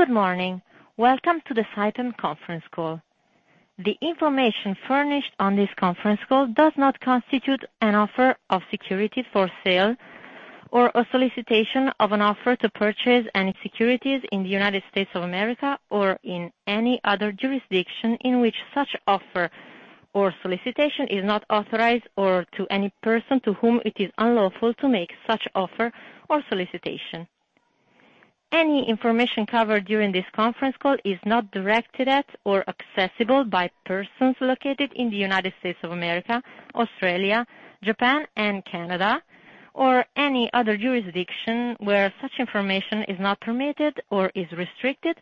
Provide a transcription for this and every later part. Good morning. Welcome to the Saipem conference call. The information furnished on this conference call does not constitute an offer of securities for sale or a solicitation of an offer to purchase any securities in the United States of America or in any other jurisdiction in which such offer or solicitation is not authorized, or to any person to whom it is unlawful to make such offer or solicitation. Any information covered during this conference call is not directed at or accessible by persons located in the United States of America, Australia, Japan, and Canada, or any other jurisdiction where such information is not permitted or is restricted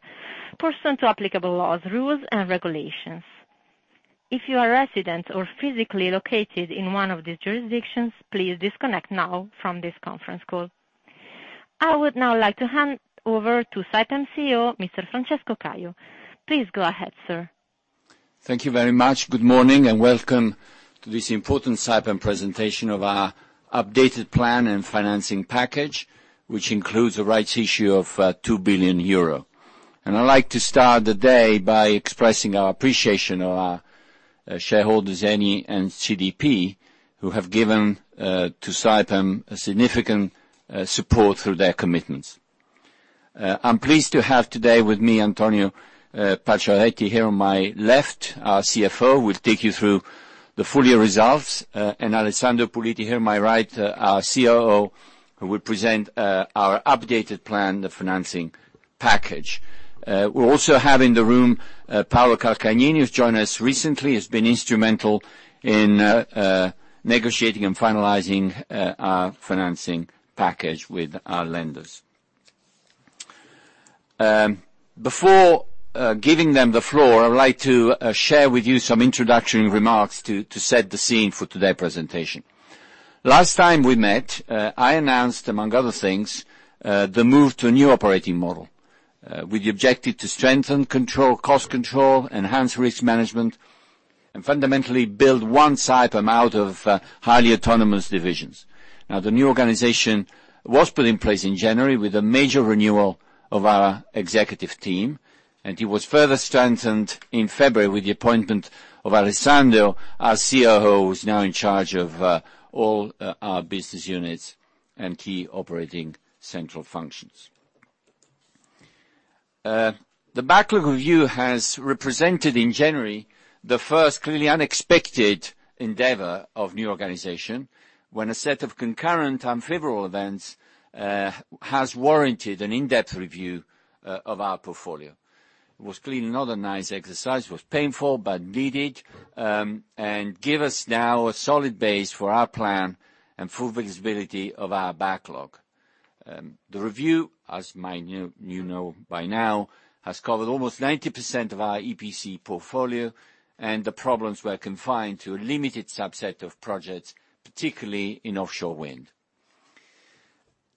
pursuant to applicable laws, rules, and regulations. If you are a resident or physically located in one of these jurisdictions, please disconnect now from this conference call. I would now like to hand over to Saipem CEO, Mr. Francesco Caio. Please go ahead, sir. Thank you very much. Good morning, and welcome to this important Saipem presentation of our updated plan and financing package, which includes a rights issue of 2 billion euro. I'd like to start the day by expressing our appreciation of our shareholders, Eni and CDP, who have given to Saipem a significant support through their commitments. I'm pleased to have today with me Antonio Paccioretti here on my left, our CFO, will take you through the full year results. Alessandro Puliti here on my right, our COO, who will present our updated plan, the financing package. We also have in the room Paolo Calcagnini, who's joined us recently, has been instrumental in negotiating and finalizing our financing package with our lenders. Before giving them the floor, I would like to share with you some introductory remarks to set the scene for today's presentation. Last time we met, I announced, among other things, the move to a new operating model, with the objective to strengthen control, cost control, enhance risk management, and fundamentally build one Saipem out of highly autonomous divisions. Now, the new organization was put in place in January with a major renewal of our executive team, and it was further strengthened in February with the appointment of Alessandro, our COO, who is now in charge of all our business units and key operating central functions. The backlog review has represented in January the first clearly unexpected endeavor of new organization, when a set of concurrent unfavorable events has warranted an in-depth review of our portfolio. It was clearly not a nice exercise. It was painful but needed, and give us now a solid base for our plan and full visibility of our backlog. The review, as you know by now, has covered almost 90% of our EPC portfolio, and the problems were confined to a limited subset of projects, particularly in offshore wind.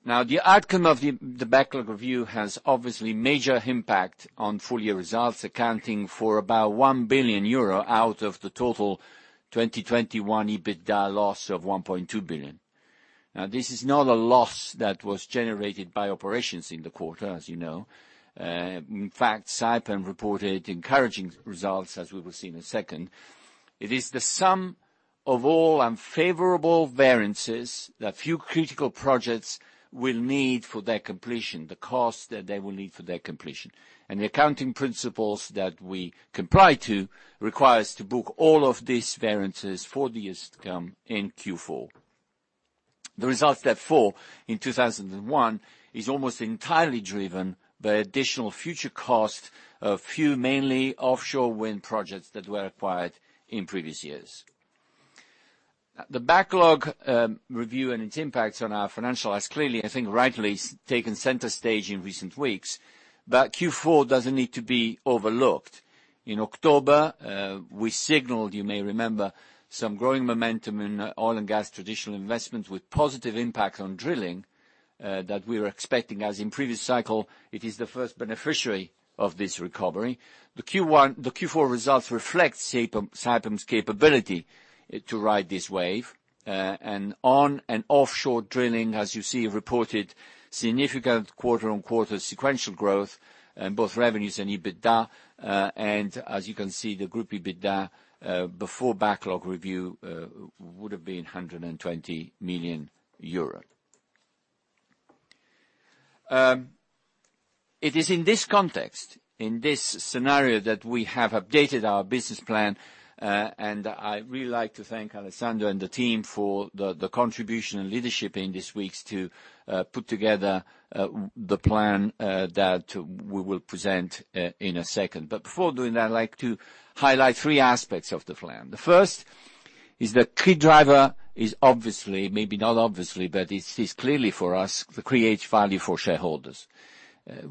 The outcome of the backlog review has obviously major impact on full year results, accounting for about 1 billion euro out of the total 2021 EBITDA loss of 1.2 billion. This is not a loss that was generated by operations in the quarter, as you know. In fact, Saipem reported encouraging results, as we will see in a second. It is the sum of all unfavorable variances that a few critical projects will need for their completion, the cost that they will need for their completion. The accounting principles that we comply to requires to book all of these variances for this outcome in Q4. The results of Q4 in 2021 is almost entirely driven by additional future costs of a few, mainly offshore wind projects that were acquired in previous years. The backlog review and its impact on our financials has clearly, I think, rightly, taken center stage in recent weeks, but Q4 doesn't need to be overlooked. In October, we signaled, you may remember, some growing momentum in oil and gas traditional investments with positive impact on drilling, that we were expecting. As in previous cycle, it is the first beneficiary of this recovery. The Q4 results reflect Saipem's capability to ride this wave. Onshore and offshore drilling, as you see, reported significant quarter-on-quarter sequential growth in both revenues and EBITDA. As you can see, the group EBITDA before backlog review would have been 120 million euros. It is in this context, in this scenario, that we have updated our business plan. I'd really like to thank Alessandro and the team for the contribution and leadership in these weeks to put together the plan that we will present in a second. Before doing that, I'd like to highlight three aspects of the plan. The first is the key driver is obviously, maybe not obviously, but it's clearly for us to create value for shareholders.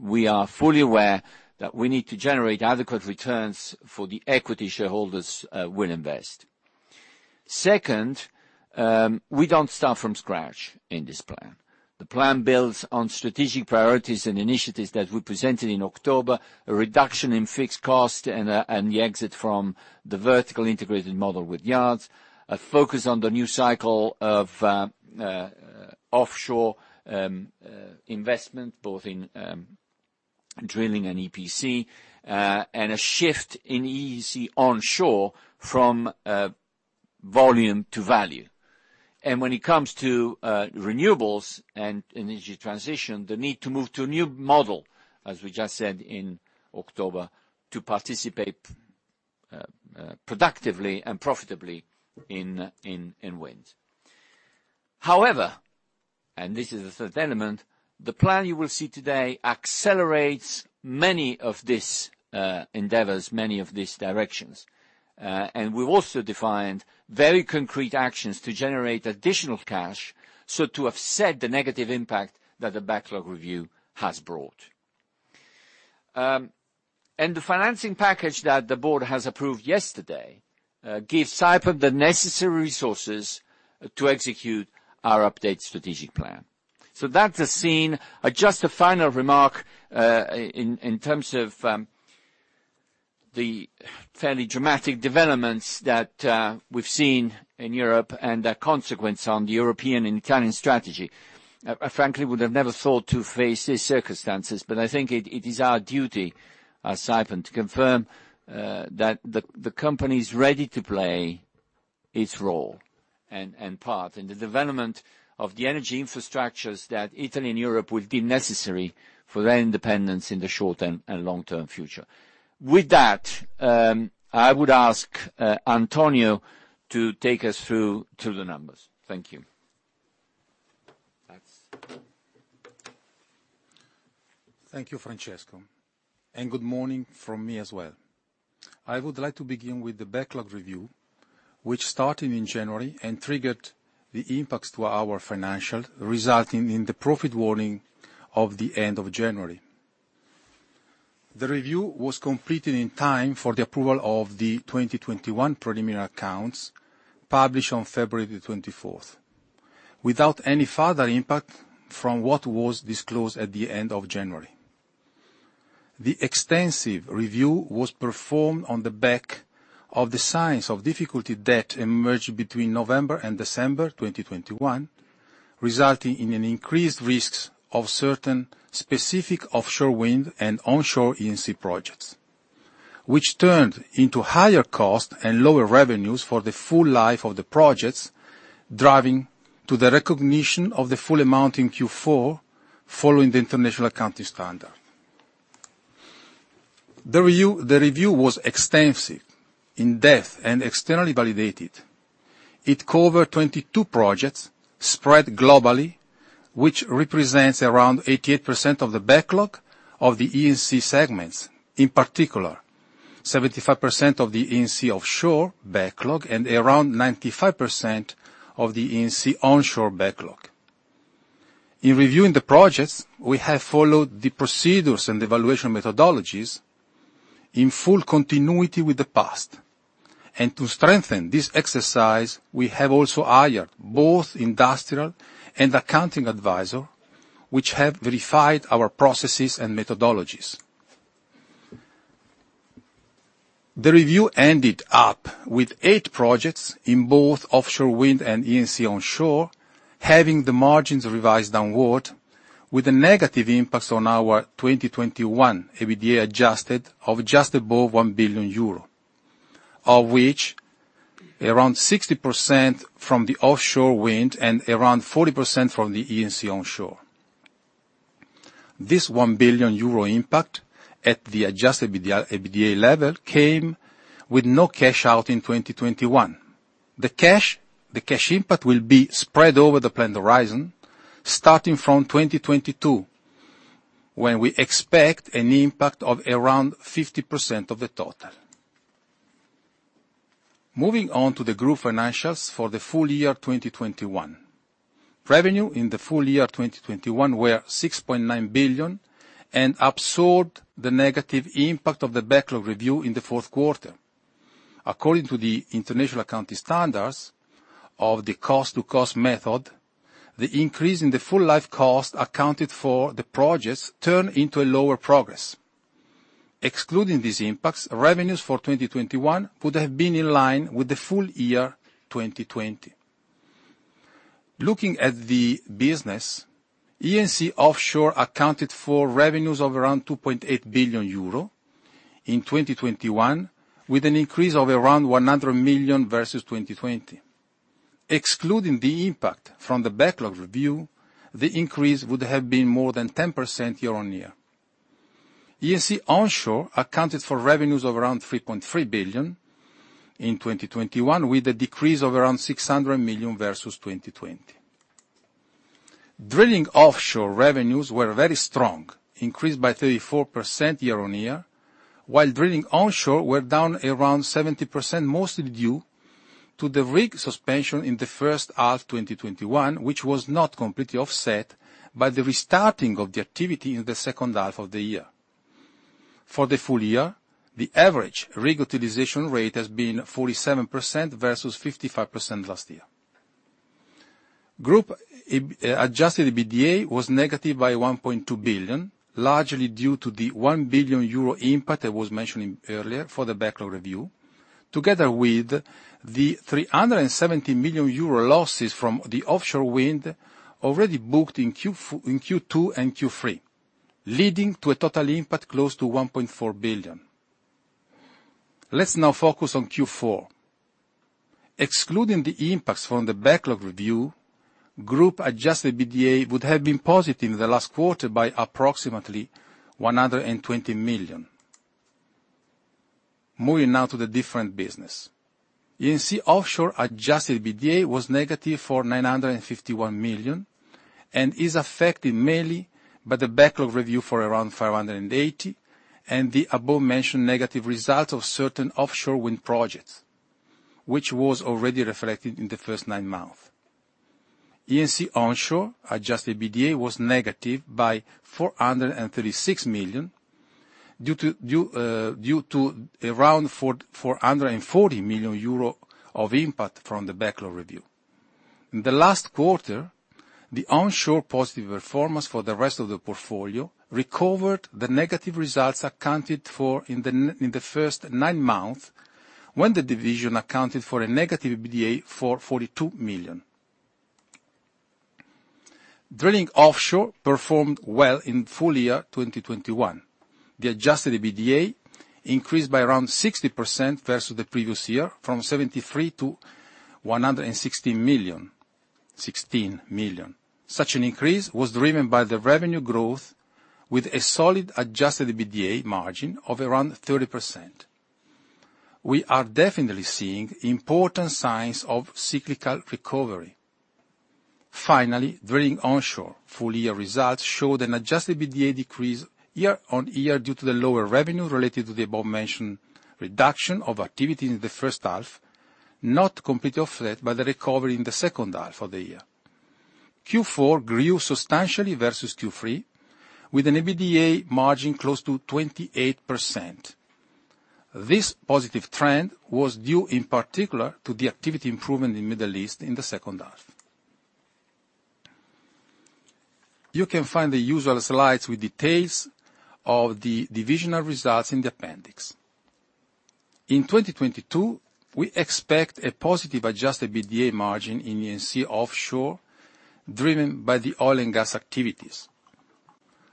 We are fully aware that we need to generate adequate returns for the equity shareholders who will invest. Second, we don't start from scratch in this plan. The plan builds on strategic priorities and initiatives that we presented in October, a reduction in fixed costs and the exit from the vertically integrated model with yards, a focus on the new cycle of offshore investment, both in drilling and EPC, and a shift in E&C onshore from volume to value. When it comes to renewables and energy transition, the need to move to a new model, as we just said in October, to participate productively and profitably in wind. However, this is the third element. The plan you will see today accelerates many of these endeavors, many of these directions. We've also defined very concrete actions to generate additional cash, so to offset the negative impact that the backlog review has brought. The financing package that the board has approved yesterday gives Saipem the necessary resources to execute our updated strategic plan. That's the scene. Just a final remark, in terms of the fairly dramatic developments that we've seen in Europe and the consequence on the European and Italian strategy. I frankly would have never thought to face these circumstances, but I think it is our duty as Saipem to confirm that the company's ready to play its role and part in the development of the energy infrastructures that Italy and Europe will deem necessary for their independence in the short and long-term future. With that, I would ask Antonio to take us through to the numbers. Thank you. Thanks. Thank you, Francesco. Good morning from me as well. I would like to begin with the backlog review, which started in January and triggered the impacts to our financials, resulting in the profit warning of the end of January. The review was completed in time for the approval of the 2021 preliminary accounts published on February 24th, without any further impact from what was disclosed at the end of January. The extensive review was performed on the back of the signs of difficulty that emerged between November and December 2021, resulting in an increased risks of certain specific offshore wind and onshore E&C projects, which turned into higher costs and lower revenues for the full life of the projects, driving to the recognition of the full amount in Q4, following the international accounting standard. The review was extensive, in-depth, and externally validated. It covered 22 projects spread globally, which represents around 88% of the backlog of the E&C segments. In particular, 75% of the E&C offshore backlog and around 95% of the E&C onshore backlog. In reviewing the projects, we have followed the procedures and evaluation methodologies in full continuity with the past. To strengthen this exercise, we have also hired both industrial and accounting advisors, which have verified our processes and methodologies. The review ended up with eight projects in both offshore wind and E&C onshore, having the margins revised downward, with a negative impact on our 2021 EBITDA adjusted of just above 1 billion euro, of which around 60% from the offshore wind and around 40% from the E&C onshore. This 1 billion euro impact at the adjusted EBITDA level came with no cash out in 2021. The cash input will be spread over the planned horizon, starting from 2022, when we expect an impact of around 50% of the total. Moving on to the group financials for the full year 2021. Revenue in the full year 2021 were 6.9 billion and absorbed the negative impact of the backlog review in the fourth quarter. According to the international accounting standards of the cost to cost method, the increase in the full life cost accounted for the projects turn into a lower progress. Excluding these impacts, revenues for 2021 would have been in line with the full year 2020. Looking at the business, E&C Offshore accounted for revenues of around 2.8 billion euro in 2021, with an increase of around 100 million versus 2020. Excluding the impact from the backlog review, the increase would have been more than 10% year-on-year. E&C onshore accounted for revenues of around 3.3 billion in 2021, with a decrease of around 600 million versus 2020. Drilling Offshore revenues were very strong, increased by 34% year-on-year, while Drilling Onshore were down around 70%, mostly due to the rig suspension in the first half 2021, which was not completely offset by the restarting of the activity in the second half of the year. For the full year, the average rig utilization rate has been 47% versus 55% last year. Group adjusted EBITDA was negative by 1.2 billion, largely due to the 1 billion euro impact I was mentioning earlier for the backlog review. Together with the 370 million euro losses from the offshore wind already booked in Q2 and Q3, leading to a total impact close to 1.4 billion. Let's now focus on Q4. Excluding the impacts from the backlog review, group adjusted EBITDA would have been positive in the last quarter by approximately 120 million. Moving now to the different business. E&C Offshore adjusted EBITDA was negative for 951 million, and is affected mainly by the backlog review for around 580 million, and the above mentioned negative results of certain offshore wind projects, which was already reflected in the first nine months. E&C Onshore adjusted EBITDA was negative by 436 million due to around 440 million euro of impact from the backlog review. In the last quarter, the onshore positive performance for the rest of the portfolio recovered the negative results accounted for in the first nine months, when the division accounted for a negative EBITDA for 42 million. Drilling offshore performed well in full year 2021. The adjusted EBITDA increased by around 60% versus the previous year from 73 million-116 million. Such an increase was driven by the revenue growth with a solid adjusted EBITDA margin of around 30%. We are definitely seeing important signs of cyclical recovery. Finally, drilling onshore full year results showed an adjusted EBITDA decrease year-on-year due to the lower revenue related to the above-mentioned reduction of activity in the first half, not completely offset by the recovery in the second half of the year. Q4 grew substantially versus Q3 with an EBITDA margin close to 28%. This positive trend was due in particular to the activity improvement in Middle East in the second half. You can find the usual slides with details of the divisional results in the appendix. In 2022, we expect a positive adjusted EBITDA margin in E&C offshore, driven by the oil and gas activities.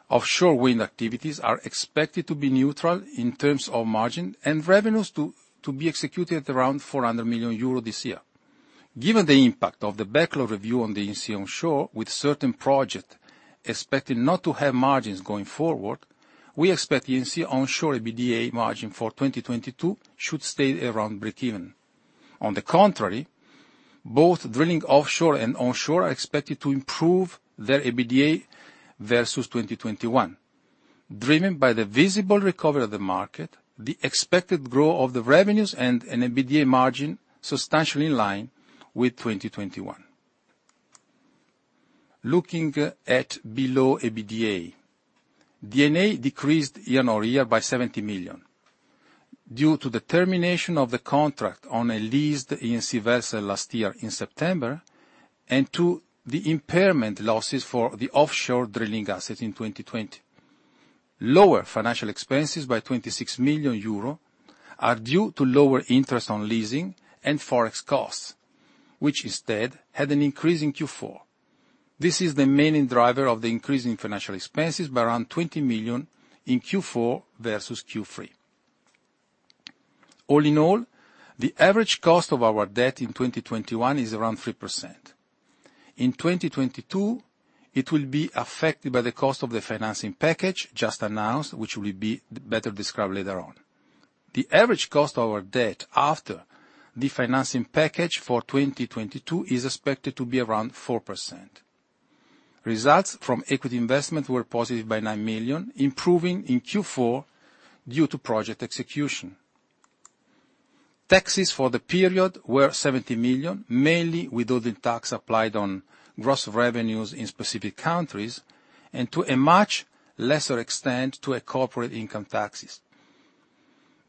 Offshore wind activities are expected to be neutral in terms of margin and revenues to be executed around 400 million euros this year. Given the impact of the backlog review on the E&C onshore, with certain project expecting not to have margins going forward, we expect E&C onshore EBITDA margin for 2022 should stay around breakeven. On the contrary, both drilling offshore and onshore are expected to improve their EBITDA versus 2021, driven by the visible recovery of the market, the expected growth of the revenues and an EBITDA margin substantially in line with 2021. Looking at below EBITDA. D&A decreased year-on-year by 70 million due to the termination of the contract on a leased E&C vessel last year in September, and to the impairment losses for the offshore drilling assets in 2020. Lower financial expenses by 26 million euro are due to lower interest on leasing and forex costs, which instead had an increase in Q4. This is the main driver of the increase in financial expenses by around 20 million in Q4 versus Q3. All in all, the average cost of our debt in 2021 is around 3%. In 2022, it will be affected by the cost of the financing package just announced, which will be better described later on. The average cost of our debt after the financing package for 2022 is expected to be around 4%. Results from equity investment were positive by 9 million, improving in Q4 due to project execution. Taxes for the period were 70 million, mainly withholding tax applied on gross revenues in specific countries, and to a much lesser extent, due to corporate income taxes.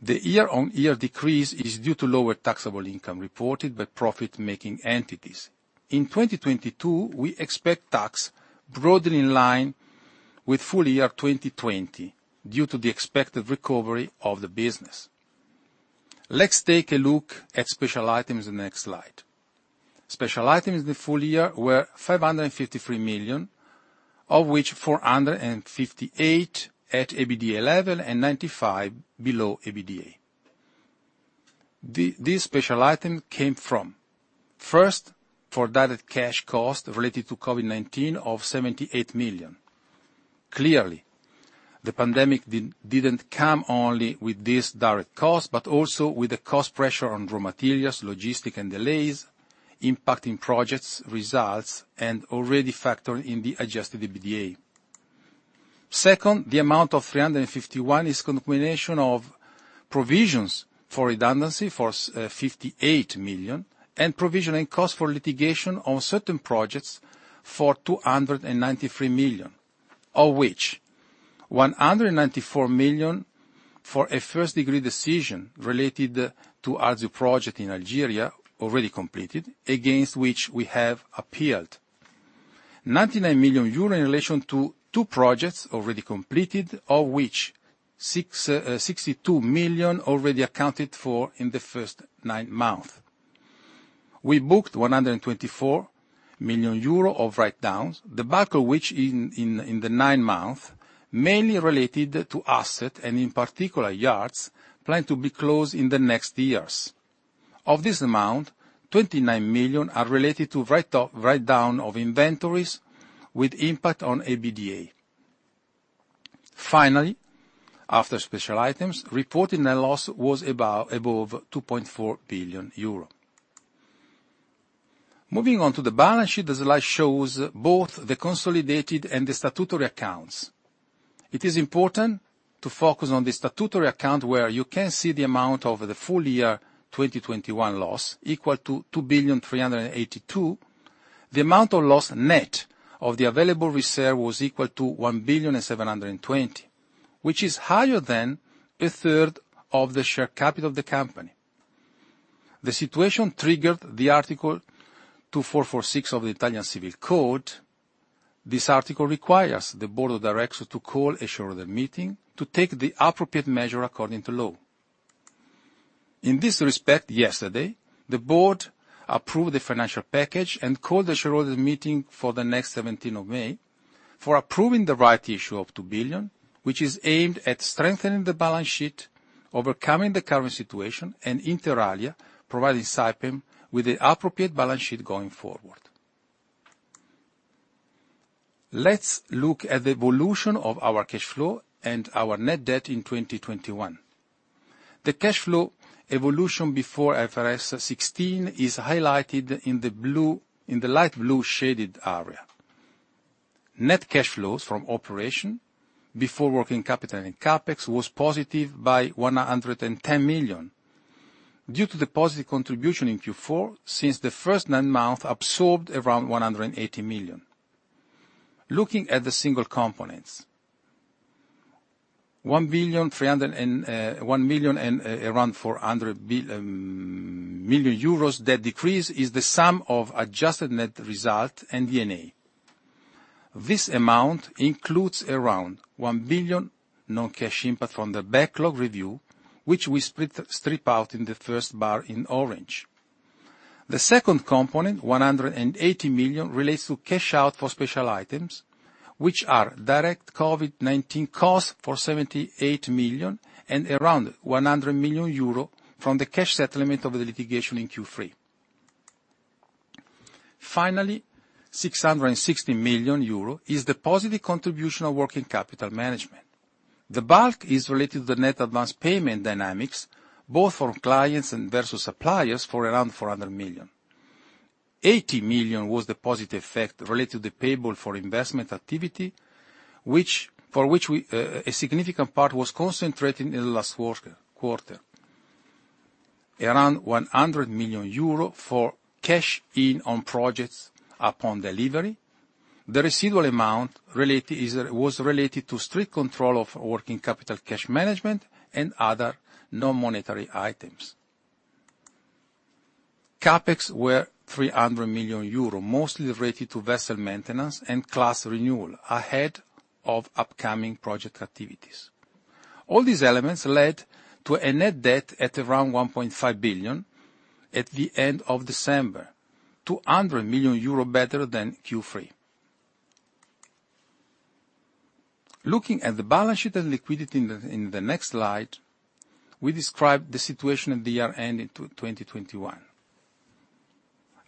The year-on-year decrease is due to lower taxable income reported by profit-making entities. In 2022, we expect tax broadly in line with full year 2020 due to the expected recovery of the business. Let's take a look at special items in the next slide. Special items in the full year were 553 million, of which 458 million at EBITDA level and 95 million below EBITDA. These special items came from, first, direct cash costs related to COVID-19 of 78 million. Clearly, the pandemic didn't come only with this direct cost, but also with the cost pressure on raw materials, logistics and delays, impacting projects, results, and already factored in the adjusted EBITDA. Second, the amount of 351 million is combination of provisions for redundancy for 58 million and provisioning cost for litigation on certain projects for 293 million, of which 194 million for a first degree decision related to Arzew project in Algeria, already completed, against which we have appealed. 99 million euro in relation to two projects already completed, of which 62 million already accounted for in the first nine months. We booked 124 million euro of writedowns, the bulk of which in the nine months, mainly related to assets and in particular yards planned to be closed in the next years. Of this amount, 29 million are related to write down of inventories with impact on EBITDA. Finally, after special items, reported net loss was about 2.4 billion euro. Moving on to the balance sheet, the slide shows both the consolidated and the statutory accounts. It is important to focus on the statutory account where you can see the amount of the full year 2021 loss equal to 2,382 million. The amount of loss net of the available reserve was equal to 1,720 million, which is higher than 1/3 of the share capital of the company. The situation triggered Article 2446 of the Italian Civil Code. This article requires the board of directors to call a shareholder meeting to take the appropriate measure according to law. In this respect, yesterday, the board approved the financial package and called the shareholders meeting for the next 17th of May for approving the right issue of 2 billion, which is aimed at strengthening the balance sheet, overcoming the current situation, and inter alia, providing Saipem with the appropriate balance sheet going forward. Let's look at the evolution of our cash flow and our net debt in 2021. The cash flow evolution before IFRS 16 is highlighted in the light blue shaded area. Net cash flows from operation before working capital and CapEx was positive by 110 million. Due to the positive contribution in Q4, since the first nine-month absorbed around 180 million. Looking at the single components, EUR 1.3 billion and 1 billion and around 400 million euros, that decrease is the sum of adjusted net result and D&A. This amount includes around 1 billion non-cash impact from the backlog review, which we strip out in the first bar in orange. The second component, 180 million, relates to cash out for special items, which are direct COVID-19 costs for 78 million and around 100 million euro from the cash settlement of the litigation in Q3. Finally, 660 million euro is the positive contribution of working capital management. The bulk is related to the net advanced payment dynamics, both from clients and versus suppliers for around 400 million. 80 million was the positive effect related to the payable for investment activity, for which a significant part was concentrated in the last quarter. Around 100 million euro for cash in on projects upon delivery. The residual amount was related to strict control of working capital cash management and other non-monetary items. CapEx were 300 million euro, mostly related to vessel maintenance and class renewal ahead of upcoming project activities. All these elements led to a net debt at around 1.5 billion at the end of December, 200 million euro better than Q3. Looking at the balance sheet and liquidity in the next slide, we describe the situation at the year end in 2021.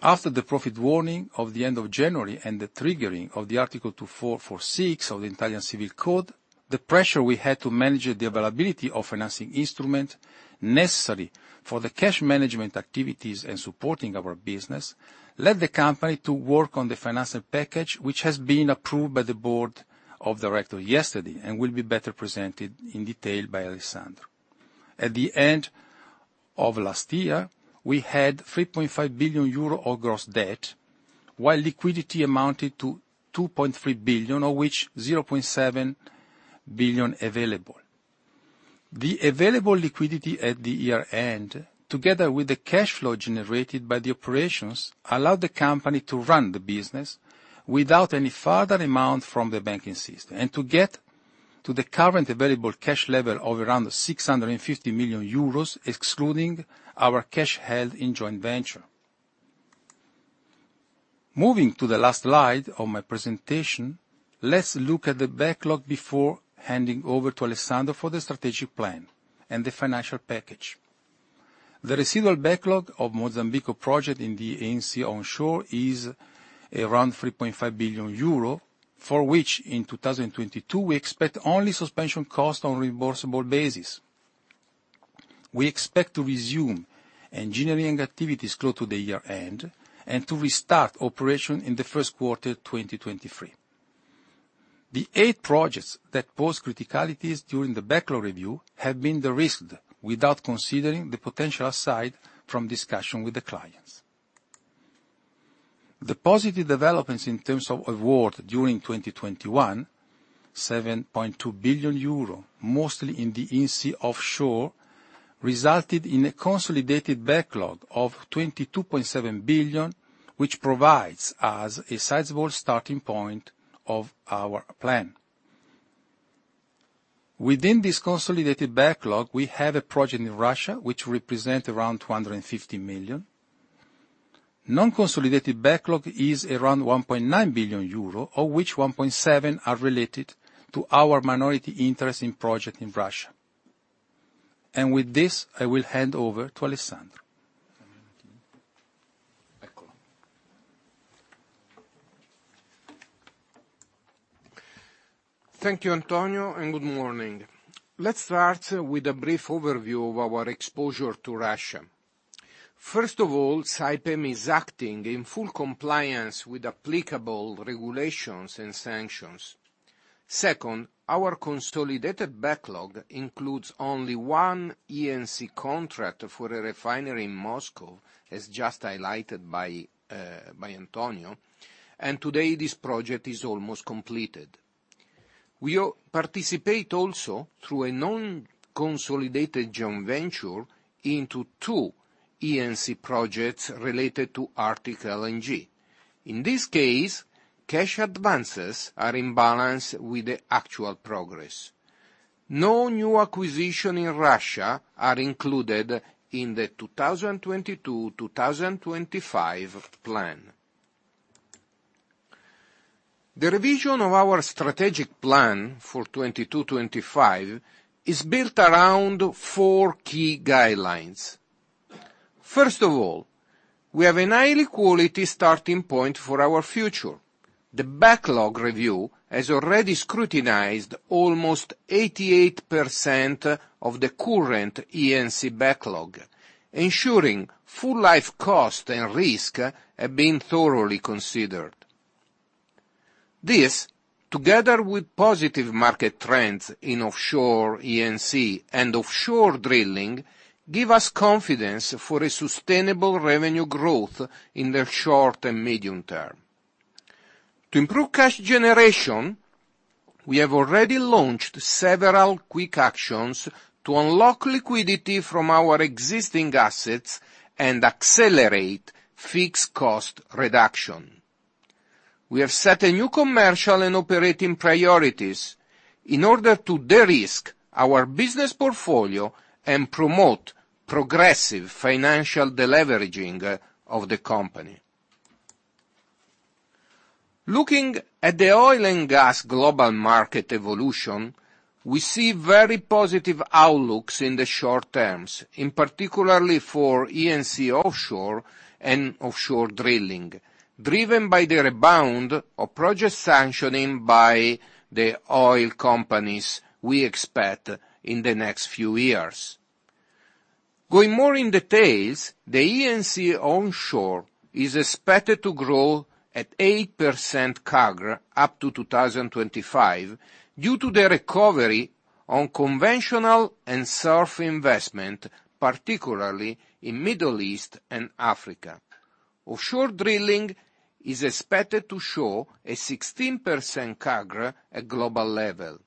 After the profit warning of the end of January and the triggering of Article 2446 of the Italian Civil Code, the pressure we had to manage the availability of financing instrument necessary for the cash management activities and supporting our business, led the company to work on the financial package, which has been approved by the board of directors yesterday and will be better presented in detail by Alessandro. At the end of last year, we had 3.5 billion euro of gross debt, while liquidity amounted to 2.3 billion, of which 0.7 billion available. The available liquidity at the year-end, together with the cash flow generated by the operations, allowed the company to run the business without any further amount from the banking system and to get to the current available cash level of around 650 million euros, excluding our cash held in joint venture. Moving to the last slide of my presentation, let's look at the backlog before handing over to Alessandro for the strategic plan and the financial package. The residual backlog of Mozambique project in the E&C Onshore is around 3.5 billion euro, for which in 2022, we expect only suspension costs on reimbursable basis. We expect to resume engineering activities close to the year-end and to restart operation in the first quarter 2023. The eight projects that pose criticalities during the backlog review have been de-risked without considering the potential aside from discussion with the clients. The positive developments in terms of award during 2021, 7.2 billion euro, mostly in the E&C offshore. Resulted in a consolidated backlog of 22.7 billion, which provides us a sizable starting point of our plan. Within this consolidated backlog, we have a project in Russia which represent around 250 million. Non-consolidated backlog is around 1.9 billion euro, of which 1.7 billion are related to our minority interest in project in Russia. With this, I will hand over to Alessandro. Thank you, Antonio, and good morning. Let's start with a brief overview of our exposure to Russia. First of all, Saipem is acting in full compliance with applicable regulations and sanctions. Second, our consolidated backlog includes only one E&C contract for a refinery in Moscow, as just highlighted by Antonio, and today this project is almost completed. We participate also through a non-consolidated joint venture into two E&C projects related to Arctic LNG. In this case, cash advances are in balance with the actual progress. No new acquisition in Russia are included in the 2022-2025 plan. The revision of our strategic plan for 2022-2025 is built around four key guidelines. First of all, we have a high quality starting point for our future. The backlog review has already scrutinized almost 88% of the current E&C backlog, ensuring full life cost and risk have been thoroughly considered. This, together with positive market trends in offshore E&C and offshore drilling, give us confidence for a sustainable revenue growth in the short and medium term. To improve cash generation, we have already launched several quick actions to unlock liquidity from our existing assets and accelerate fixed cost reduction. We have set a new commercial and operating priorities in order to de-risk our business portfolio and promote progressive financial deleveraging of the company. Looking at the oil and gas global market evolution, we see very positive outlooks in the short term, in particular for E&C offshore and offshore drilling, driven by the rebound of project sanctioning by the oil companies we expect in the next few years. Going more in details, the E&C Onshore is expected to grow at 8% CAGR up to 2025 due to the recovery on conventional and oil investment, particularly in Middle East and Africa. Offshore drilling is expected to show a 16% CAGR at global level.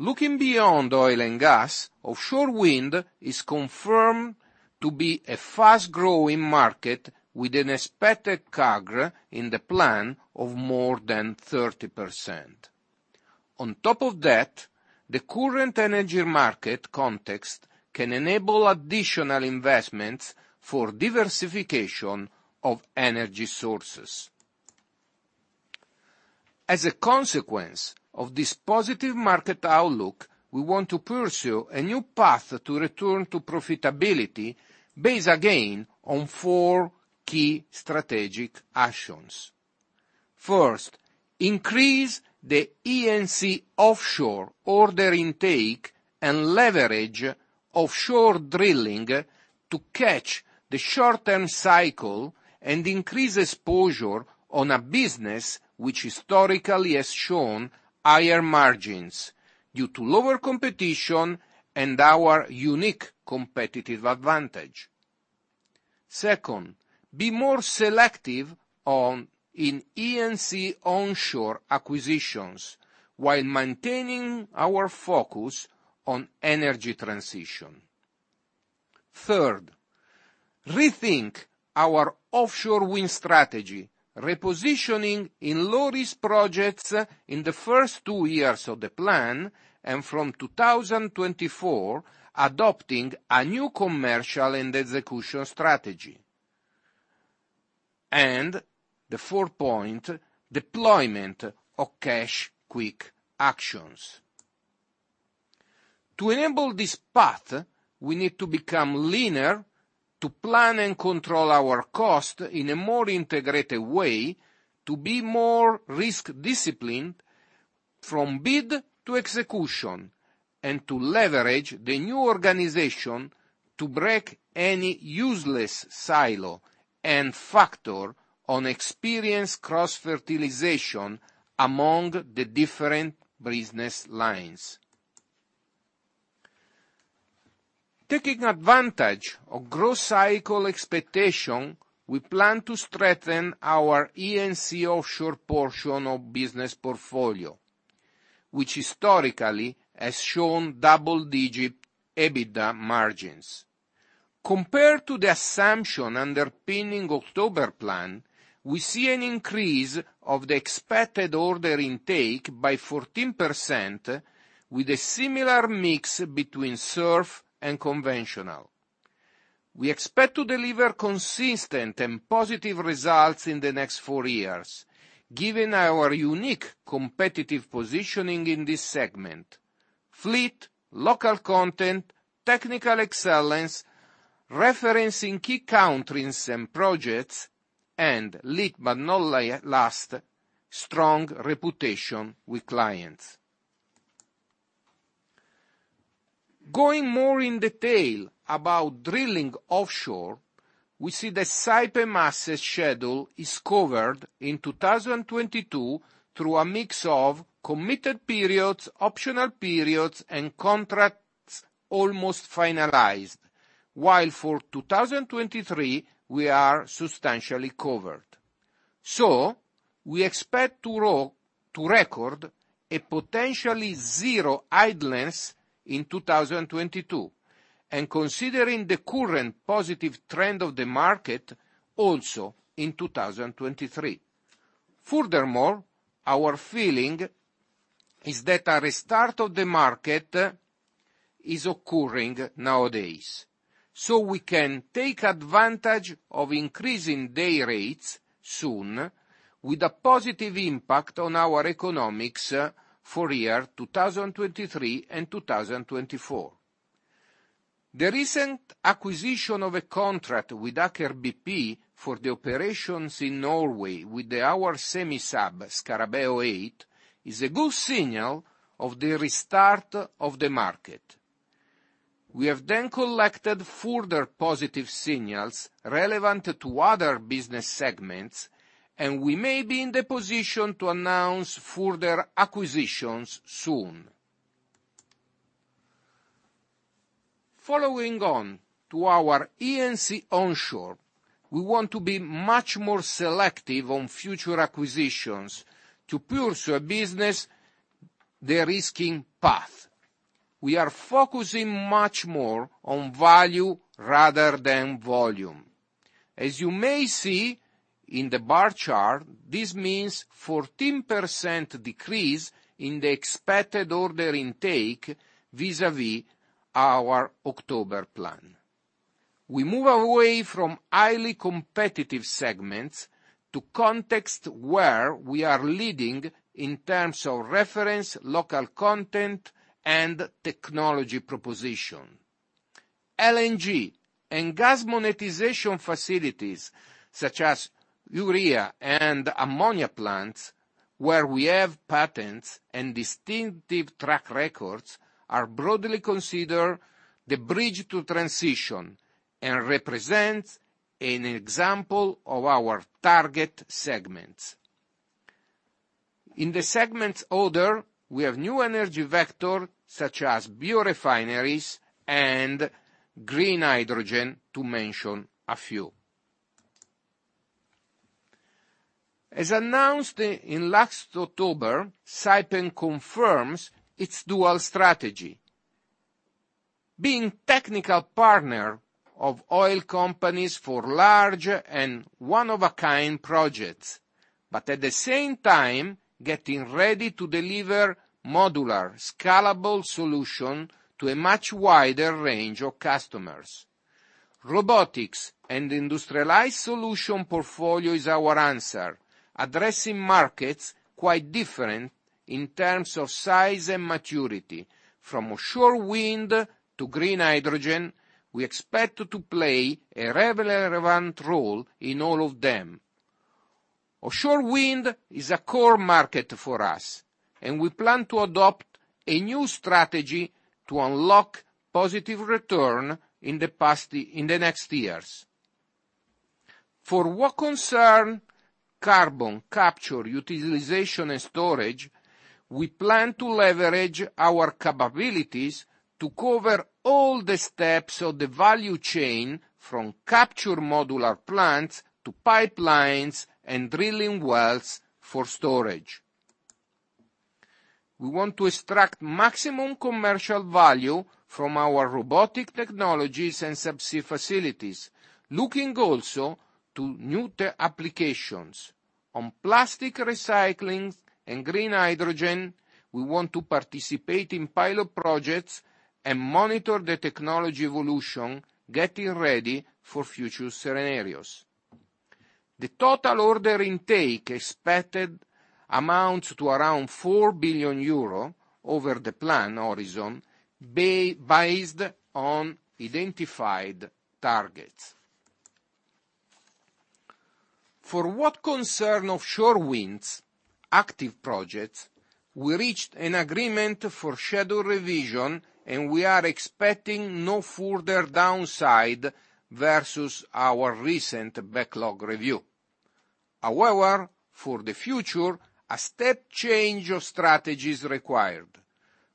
Looking beyond oil and gas, offshore wind is confirmed to be a fast growing market with an expected CAGR in the plan of more than 30%. On top of that, the current energy market context can enable additional investments for diversification of energy sources. As a consequence of this positive market outlook, we want to pursue a new path to return to profitability based again on four key strategic actions. First, increase the E&C Offshore order intake and leverage offshore drilling to catch the short-term cycle and increase exposure on a business which historically has shown higher margins due to lower competition and our unique competitive advantage. Second, be more selective on in E&C Onshore acquisitions while maintaining our focus on energy transition. Third, rethink our offshore wind strategy, repositioning in low-risk projects in the first two years of the plan and from 2024, adopting a new commercial and execution strategy. The fourth point, deployment of cash quick actions. To enable this path, we need to become leaner, to plan and control our cost in a more integrated way, to be more risk disciplined from bid to execution, and to leverage the new organization to break any useless silo and factor in experience cross-fertilization among the different business lines. Taking advantage of growth cycle expectation, we plan to strengthen our E&C Offshore portion of business portfolio, which historically has shown double-digit EBITDA margins. Compared to the assumption underpinning October plan, we see an increase of the expected order intake by 14% with a similar mix between surf and conventional. We expect to deliver consistent and positive results in the next four years, given our unique competitive positioning in this segment. Fleet, local content, technical excellence, reference in key countries and projects, and last but not least, strong reputation with clients. Going more in detail about drilling offshore, we see the Saipem asset schedule is covered in 2022 through a mix of committed periods, optional periods, and contracts almost finalized. While for 2023, we are substantially covered. We expect to record a potentially zero idleness in 2022, and considering the current positive trend of the market, also in 2023. Furthermore, our feeling is that a restart of the market is occurring nowadays, so we can take advantage of increasing day rates soon with a positive impact on our economics for year 2023 and 2024. The recent acquisition of a contract with Aker BP for the operations in Norway with our semi-sub Scarabeo 8 is a good signal of the restart of the market. We have then collected further positive signals relevant to other business segments, and we may be in the position to announce further acquisitions soon. Following on to our E&C Onshore, we want to be much more selective on future acquisitions to pursue a business de-risking path. We are focusing much more on value rather than volume. As you may see in the bar chart, this means 14% decrease in the expected order intake vis-à-vis our October plan. We move away from highly competitive segments to context where we are leading in terms of reference, local content, and technology proposition. LNG and gas monetization facilities, such as urea and ammonia plants, where we have patents and distinctive track records, are broadly considered the bridge to transition, and represents an example of our target segments. In the segments order, we have new energy vector, such as biorefineries and green hydrogen, to mention a few. As announced in last October, Saipem confirms its dual strategy. Being technical partner of oil companies for large and one-of-a-kind projects, but at the same time, getting ready to deliver modular, scalable solution to a much wider range of customers. Robotics and industrialized solution portfolio is our answer, addressing markets quite different in terms of size and maturity. From offshore wind to green hydrogen, we expect to play a relevant role in all of them. Offshore wind is a core market for us, and we plan to adopt a new strategy to unlock positive return in the next years. For what concerns carbon capture, utilization, and storage, we plan to leverage our capabilities to cover all the steps of the value chain from capture modular plants to pipelines, and drilling wells for storage. We want to extract maximum commercial value from our robotic technologies and subsea facilities, looking also to new tech applications. On plastic recycling and green hydrogen, we want to participate in pilot projects and monitor the technology evolution, getting ready for future scenarios. The total order intake expected amounts to around 4 billion euro over the plan horizon based on identified targets. For what concerns offshore wind's active projects, we reached an agreement for schedule revision, and we are expecting no further downside versus our recent backlog review. However, for the future, a step change of strategy is required.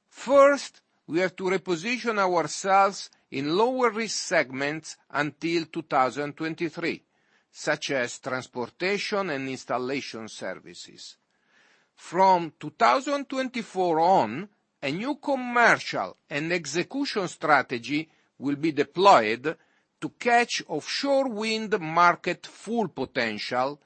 First, we have to reposition ourselves in lower risk segments until 2023, such as transportation and installation services. From 2024 on, a new commercial and execution strategy will be deployed to catch offshore wind market full potential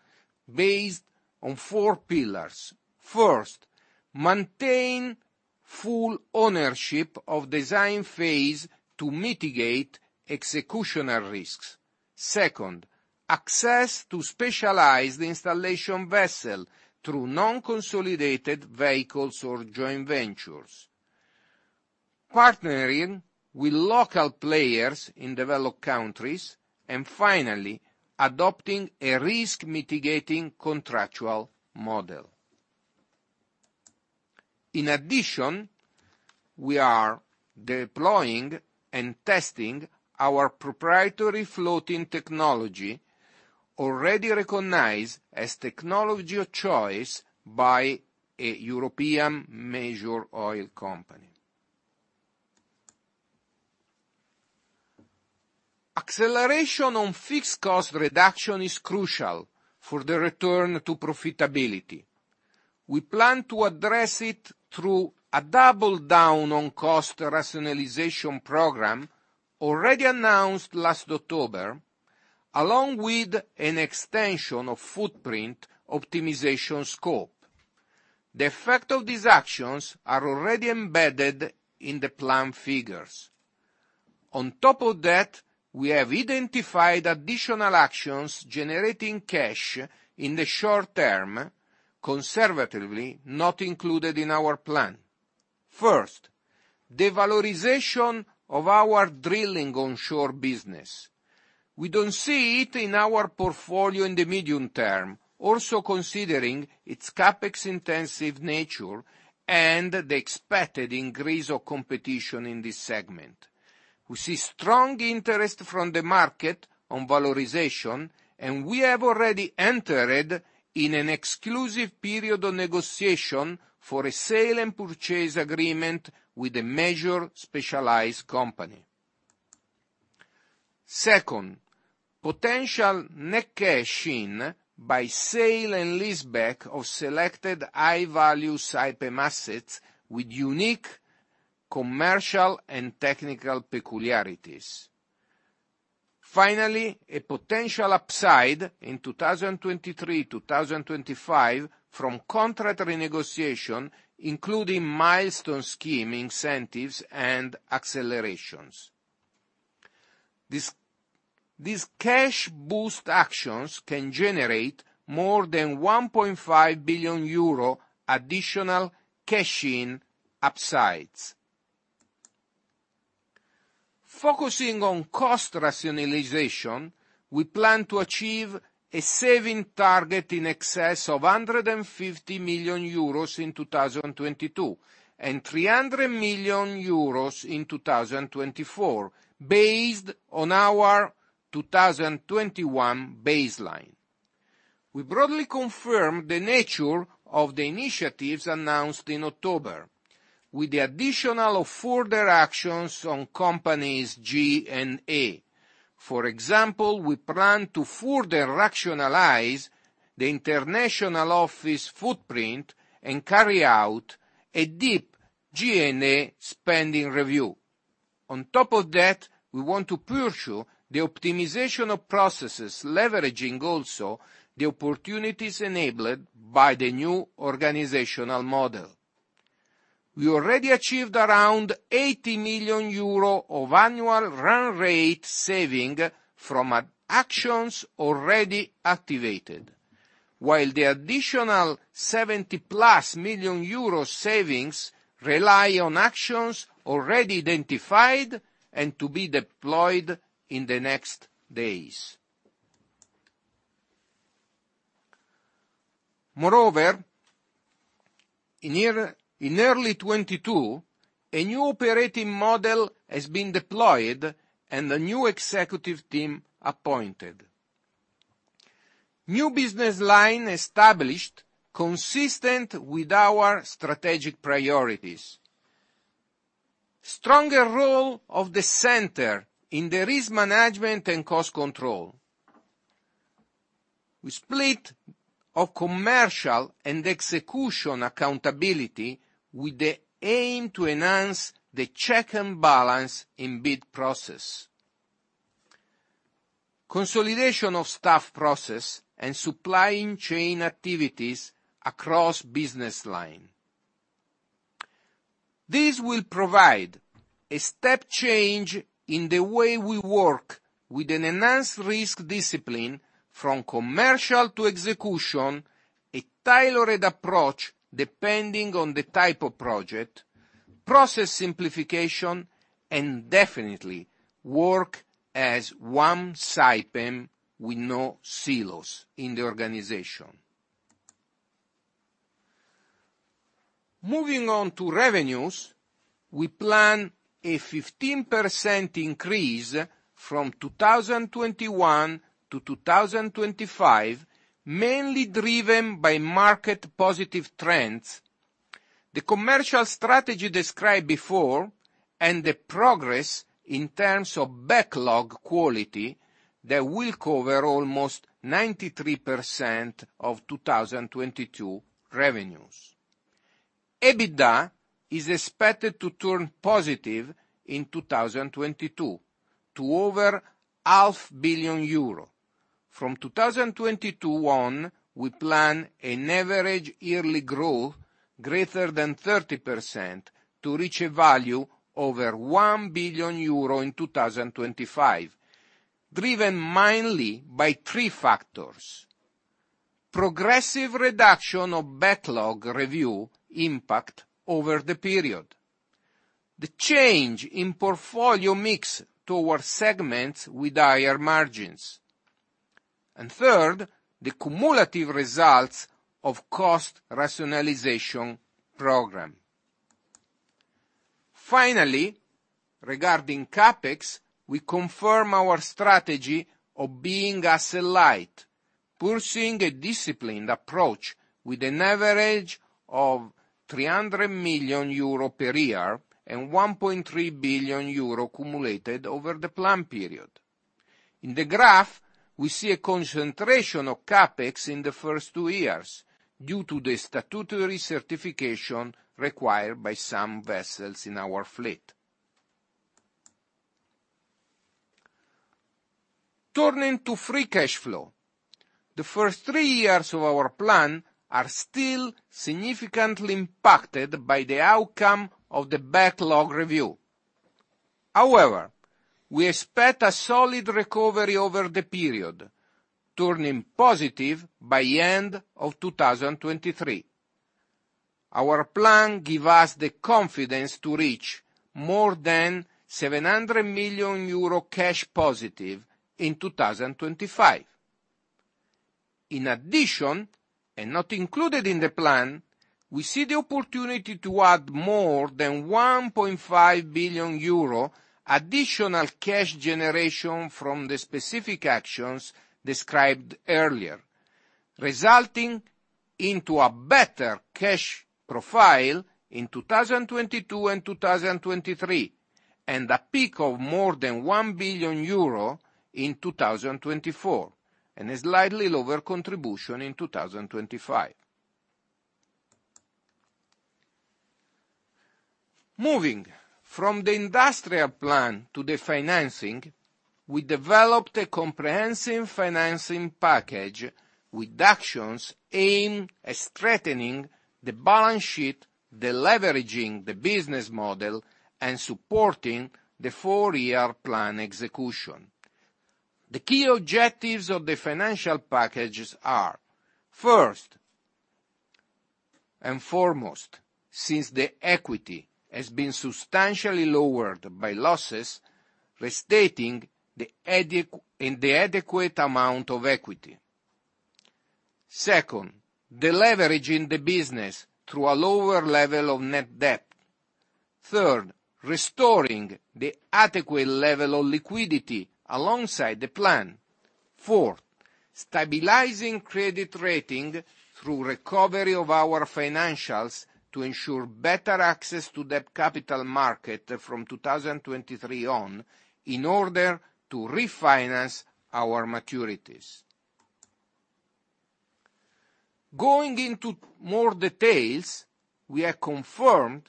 based on four pillars. First, maintain full ownership of design phase to mitigate executional risks. Second, access to specialized installation vessel through non-consolidated vehicles or joint ventures. Partnering with local players in developed countries. Finally, adopting a risk mitigating contractual model. In addition, we are deploying and testing our proprietary floating technology, already recognized as technology of choice by a European major oil company. Acceleration on fixed cost reduction is crucial for the return to profitability. We plan to address it through a double down on cost rationalization program already announced last October, along with an extension of footprint optimization scope. The effect of these actions are already embedded in the plan figures. On top of that, we have identified additional actions generating cash in the short term, conservatively not included in our plan. First, the valorization of our drilling onshore business. We don't see it in our portfolio in the medium term, also considering its CapEx intensive nature and the expected increase of competition in this segment. We see strong interest from the market on valorization, and we have already entered in an exclusive period of negotiation for a sale and purchase agreement with a major specialized company. Second, potential net cash in by sale and lease back of selected high value Saipem assets with unique commercial and technical peculiarities. Finally, a potential upside in 2023, 2025 from contract renegotiation, including milestone scheme incentives and accelerations. These cash boost actions can generate more than 1.5 billion euro additional cash in upsides. Focusing on cost rationalization, we plan to achieve a saving target in excess of 150 million euros in 2022, and 300 million euros in 2024, based on our 2021 baseline. We broadly confirm the nature of the initiatives announced in October, with the addition of further actions on company G&A. For example, we plan to further rationalize the international office footprint and carry out a deep G&A spending review. On top of that, we want to pursue the optimization of processes, leveraging also the opportunities enabled by the new organizational model. We already achieved around 80 million euro of annual run rate saving from actions already activated. The additional 70+ million euro savings rely on actions already identified and to be deployed in the next days. Moreover, in early 2022, a new operating model has been deployed and a new executive team appointed, new business line established consistent with our strategic priorities, stronger role of the center in the risk management and cost control. We split off commercial and execution accountability with the aim to enhance the checks and balances in bid process. Consolidation of staff process and supply chain activities across business lines. This will provide a step change in the way we work with an enhanced risk discipline from commercial to execution, a tailored approach depending on the type of project, process simplification, and definitely work as one Saipem with no silos in the organization. Moving on to revenues, we plan a 15% increase from 2021 to 2025. Mainly driven by market positive trends. The commercial strategy described before and the progress in terms of backlog quality that will cover almost 93% of 2022 revenues. EBITDA is expected to turn positive in 2022 to ove 0.5 billion euro. From 2022 on, we plan an average yearly growth greater than 30% to reach a value over 1 billion euro in 2025, driven mainly by three factors, progressive reduction of backlog review impact over the period, the change in portfolio mix towards segments with higher margins, and third, the cumulative results of cost rationalization program. Finally, regarding CapEx, we confirm our strategy of being asset light, pursuing a disciplined approach with an average of 300 million euro per year and 1.3 billion euro cumulated over the plan period. In the graph, we see a concentration of CapEx in the first two years due to the statutory certification required by some vessels in our fleet. Turning to free cash flow, the first three years of our plan are still significantly impacted by the outcome of the backlog review. However, we expect a solid recovery over the period, turning positive by end of 2023. Our plan give us the confidence to reach more than 700 million euro cash positive in 2025. In addition, and not included in the plan, we see the opportunity to add more than 1.5 billion euro additional cash generation from the specific actions described earlier, resulting into a better cash profile in 2022 and 2023, and a peak of more than 1 billion euro in 2024, and a slightly lower contribution in 2025. Moving from the industrial plan to the financing, we developed a comprehensive financing package with actions aimed at strengthening the balance sheet, de-leveraging the business model, and supporting the four-year plan execution. The key objectives of the financial packages are, first and foremost, since the equity has been substantially lowered by losses, restating the adequate amount of equity. Second, de-leveraging the business through a lower level of net debt. Third, restoring the adequate level of liquidity alongside the plan. Fourth, stabilizing credit rating through recovery of our financials to ensure better access to the capital market from 2023 on, in order to refinance our maturities. Going into more details, we have confirmed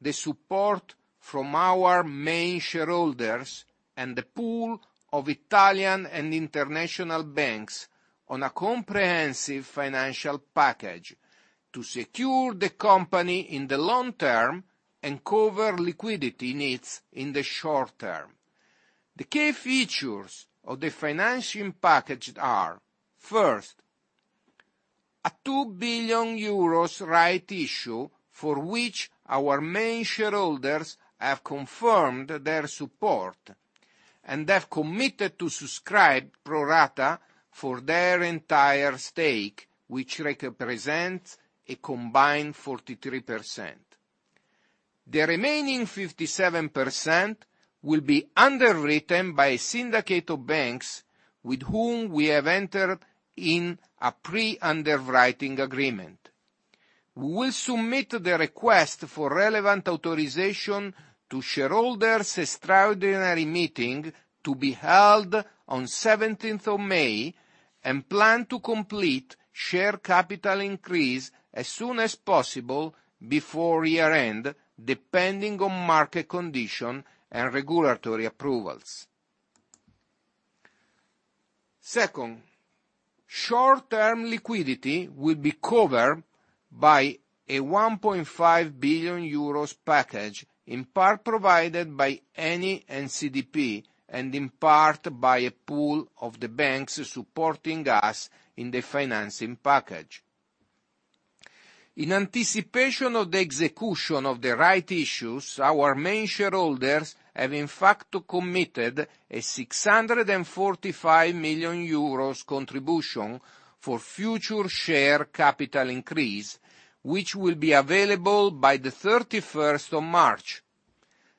the support from our main shareholders and the pool of Italian and international banks on a comprehensive financial package to secure the company in the long term and cover liquidity needs in the short term. The key features of the financing package are, first, a 2 billion euros right issue for which our main shareholders have confirmed their support and have committed to subscribe pro rata for their entire stake, which represents a combined 43%. The remaining 57% will be underwritten by a syndicate of banks with whom we have entered in a pre-underwriting agreement. We will submit the request for relevant authorization to shareholders' extraordinary meeting to be held on 17th of May and plan to complete share capital increase as soon as possible before year-end, depending on market condition and regulatory approvals. Second, short-term liquidity will be covered by a 1.5 billion euros package, in part provided by Eni and CDP, and in part by a pool of the banks supporting us in the financing package. In anticipation of the execution of the right issues, our main shareholders have, in fact, committed a 645 million euros contribution for future share capital increase, which will be available by 31st of March.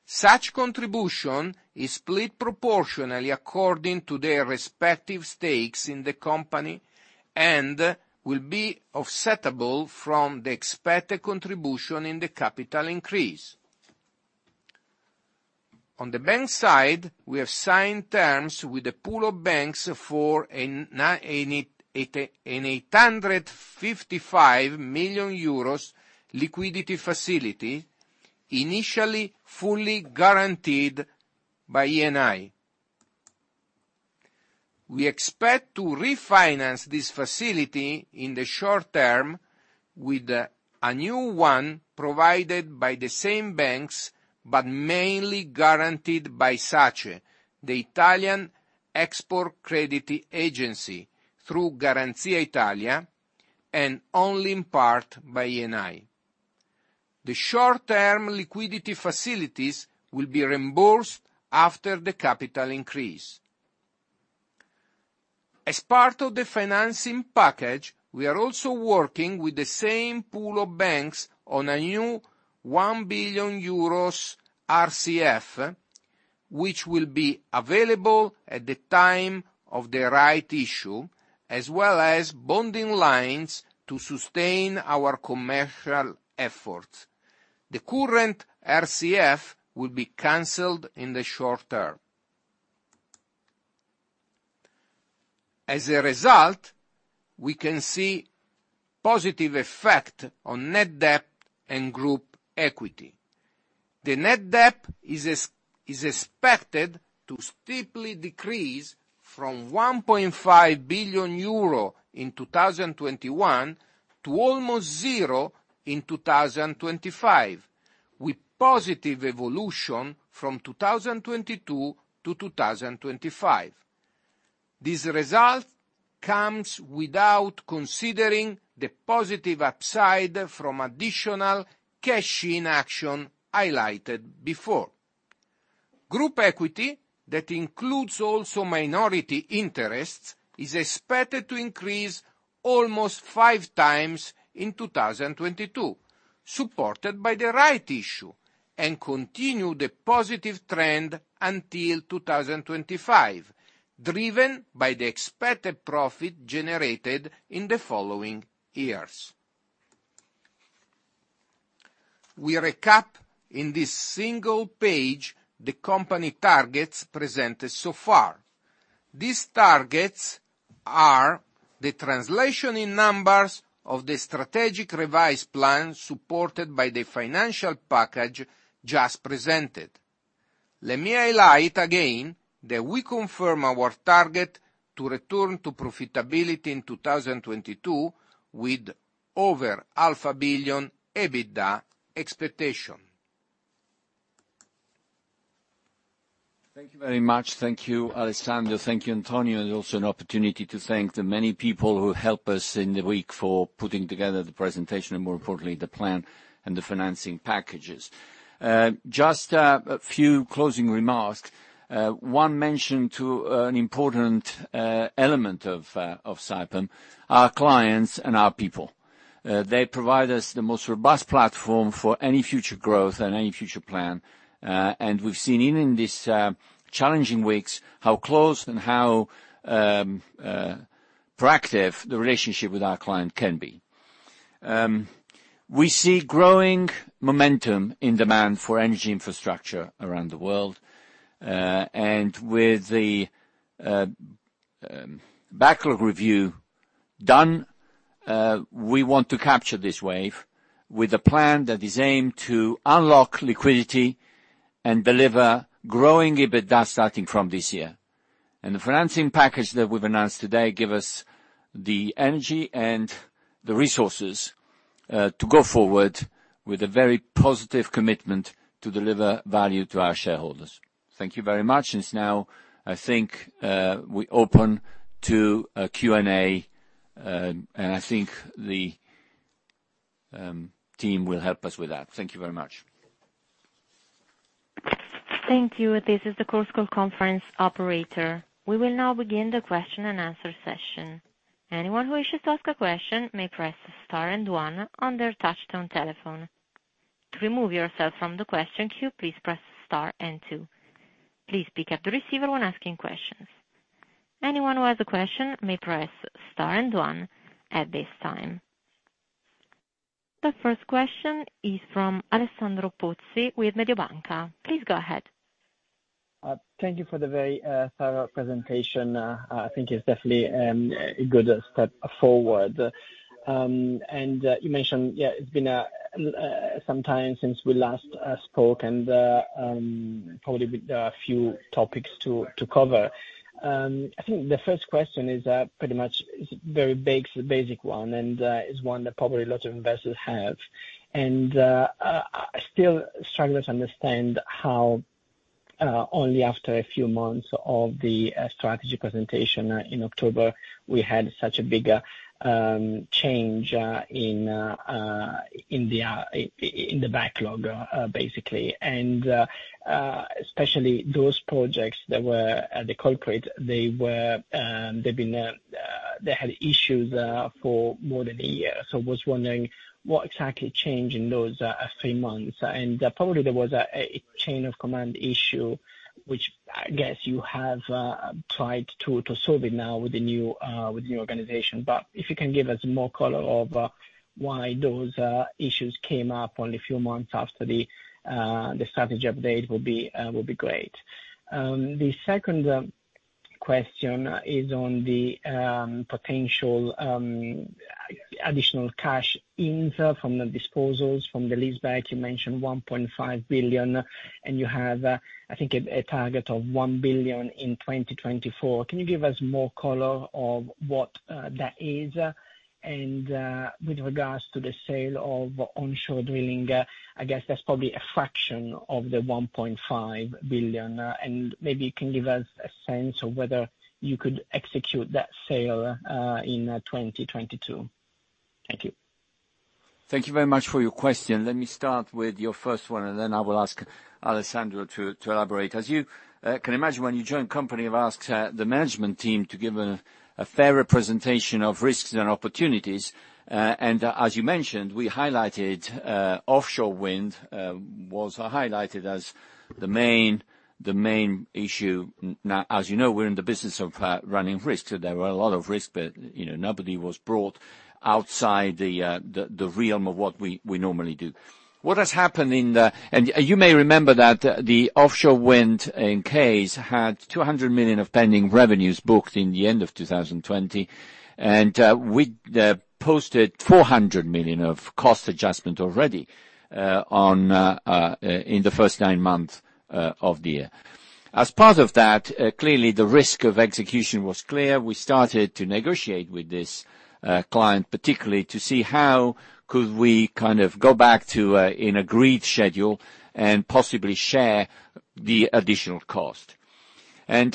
Such contribution is split proportionally according to their respective stakes in the company and will be offsettable from the expected contribution in the capital increase. On the bank side, we have signed terms with a pool of banks for an EUR 855 million liquidity facility, initially fully guaranteed by Eni. We expect to refinance this facility in the short term with a new one provided by the same banks, but mainly guaranteed by SACE, the Italian Export Credit Agency, through Garanzia Italia, and only in part by Eni. The short-term liquidity facilities will be reimbursed after the capital increase. As part of the financing package, we are also working with the same pool of banks on a new 1 billion euros RCF, which will be available at the time of the rights issue, as well as bonding lines to sustain our commercial efforts. The current RCF will be canceled in the short term. As a result, we can see positive effect on net debt and group equity. The net debt is expected to steeply decrease from 1.5 billion euro in 2021 to almost zero in 2025, with positive evolution from 2022 to 2025. This result comes without considering the positive upside from additional cash-in action highlighted before. Group equity, that includes also minority interests, is expected to increase almost 5x in 2022, supported by the rights issue, and continue the positive trend until 2025, driven by the expected profit generated in the following years. We recap in this single page the company targets presented so far. These targets are the translation in numbers of the strategic revised plan supported by the financial package just presented. Let me highlight again that we confirm our target to return to profitability in 2022 with over 0.5 billion EBITDA expectation. Thank you very much. Thank you, Alessandro. Thank you, Antonio. Also an opportunity to thank the many people who helped us in the week for putting together the presentation and, more importantly, the plan and the financing packages. Just a few closing remarks. One mention to an important element of Saipem, our clients and our people. They provide us the most robust platform for any future growth and any future plan. We've seen even in these challenging weeks how close and how proactive the relationship with our client can be. We see growing momentum in demand for energy infrastructure around the world. With the backlog review done, we want to capture this wave with a plan that is aimed to unlock liquidity and deliver growing EBITDA starting from this year. The financing package that we've announced today give us the energy and the resources to go forward with a very positive commitment to deliver value to our shareholders. Thank you very much. It's now, I think, we open to a Q&A, and I think the team will help us with that. Thank you very much. Thank you. This is the Chorus Call conference operator. We will now begin the question-and-answer session. Anyone who wishes to ask a question may press star and one on their touchtone telephone. To remove yourself from the question queue, please press star and two. Please pick up the receiver when asking questions. Anyone who has a question may press star and one at this time. The first question is from Alessandro Pozzi with Mediobanca. Please go ahead. Thank you for the very thorough presentation. I think it's definitely a good step forward. You mentioned, yeah, it's been some time since we last spoke and probably with a few topics to cover. I think the first question is pretty much a very basic one and is one that probably lots of investors have. I still struggle to understand how only after a few months of the strategy presentation in October, we had such a big change in the backlog, basically. Especially those projects that were at the cold stack, they had issues for more than a year. I was wondering what exactly changed in those three months. Probably there was a chain of command issue, which I guess you have tried to solve it now with the new organization. If you can give us more color on why those issues came up only a few months after the strategy update, that will be great. The second question is on the potential additional cash in from the disposals, from the leaseback. You mentioned 1.5 billion, and you have, I think, a target of 1 billion in 2024. Can you give us more color on what that is? With regards to the sale of onshore drilling, I guess that's probably a fraction of the 1.5 billion. Maybe you can give us a sense of whether you could execute that sale in 2022? Thank you. Thank you very much for your question. Let me start with your first one, and then I will ask Alessandro to elaborate. As you can imagine, when you join the company, I've asked the management team to give a fair representation of risks and opportunities. As you mentioned, we highlighted offshore wind was highlighted as the main issue. Now, as you know, we're in the business of running risks. So there were a lot of risk, but you know, nothing was brought outside the realm of what we normally do. What has happened in the. You may remember that the offshore wind case had 200 million of pending revenues booked at the end of 2020. We posted 400 million of cost adjustment already in the first nine months of the year. As part of that, clearly the risk of execution was clear. We started to negotiate with this client particularly to see how could we kind of go back to an agreed schedule and possibly share the additional cost.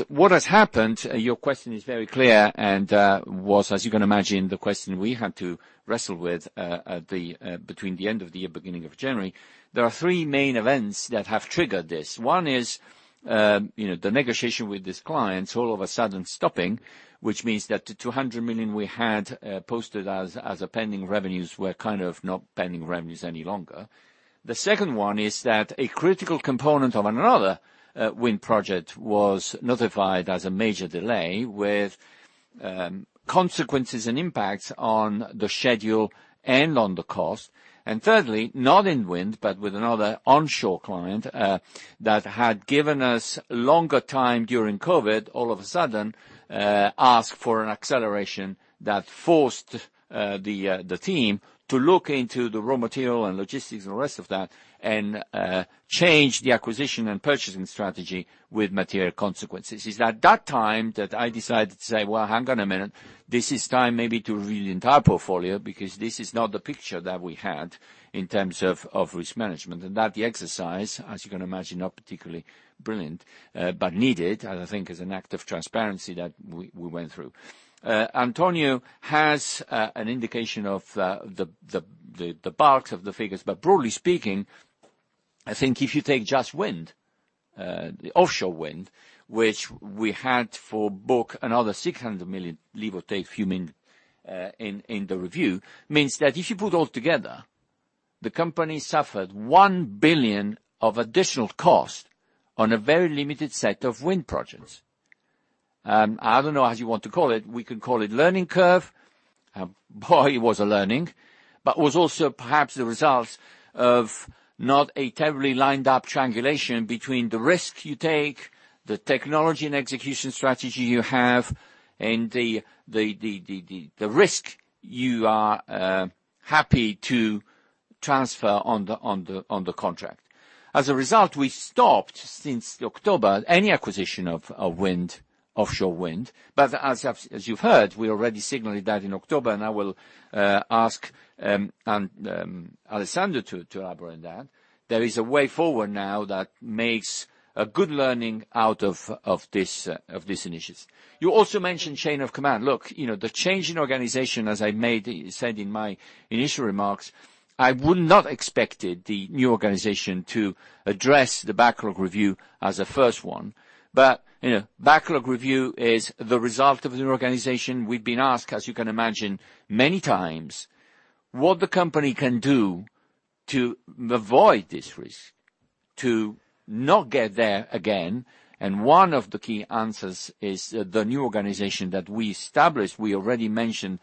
What has happened, your question is very clear, and was, as you can imagine, the question we had to wrestle with between the end of the year, beginning of January. There are three main events that have triggered this. One is, you know, the negotiation with this client all of a sudden stopping, which means that the 200 million we had posted as a pending revenues were kind of not pending revenues any longer. The second one is that a critical component of another wind project was notified as a major delay with consequences and impacts on the schedule and on the cost. Thirdly, not in wind, but with another onshore client that had given us longer time during COVID, all of a sudden ask for an acceleration that forced the team to look into the raw material and logistics and the rest of that and change the acquisition and purchasing strategy with material consequences. It's at that time that I decided to say, "Well, hang on a minute. This is time maybe to review the entire portfolio because this is not the picture that we had in terms of risk management." That exercise, as you can imagine, not particularly brilliant, but needed, and I think is an act of transparency that we went through. Antonio has an indication of the bulk of the figures, but broadly speaking, I think if you take just wind, the offshore wind, which we had for book another 600 million, give or take a few million, in the review, means that if you put all together, the company suffered 1 billion of additional cost on a very limited set of wind projects. I don't know how you want to call it. We can call it learning curve. It was a learning but was also perhaps the result of not a terribly lined up triangulation between the risk you take, the technology and execution strategy you have, and the risk you are happy to transfer on the contract. As a result, we stopped, since October, any acquisition of wind, offshore wind. As you've heard, we already signaled that in October, and I will ask Alessandro to elaborate on that. There is a way forward now that makes a good learning out of these initiatives. You also mentioned chain of command. Look, you know, the change in organization, as I said in my initial remarks, I would not expect the new organization to address the backlog review as a first one. You know, backlog review is the result of the new organization. We've been asked, as you can imagine, many times what the company can do to avoid this risk, to not get there again. One of the key answers is the new organization that we established, we already mentioned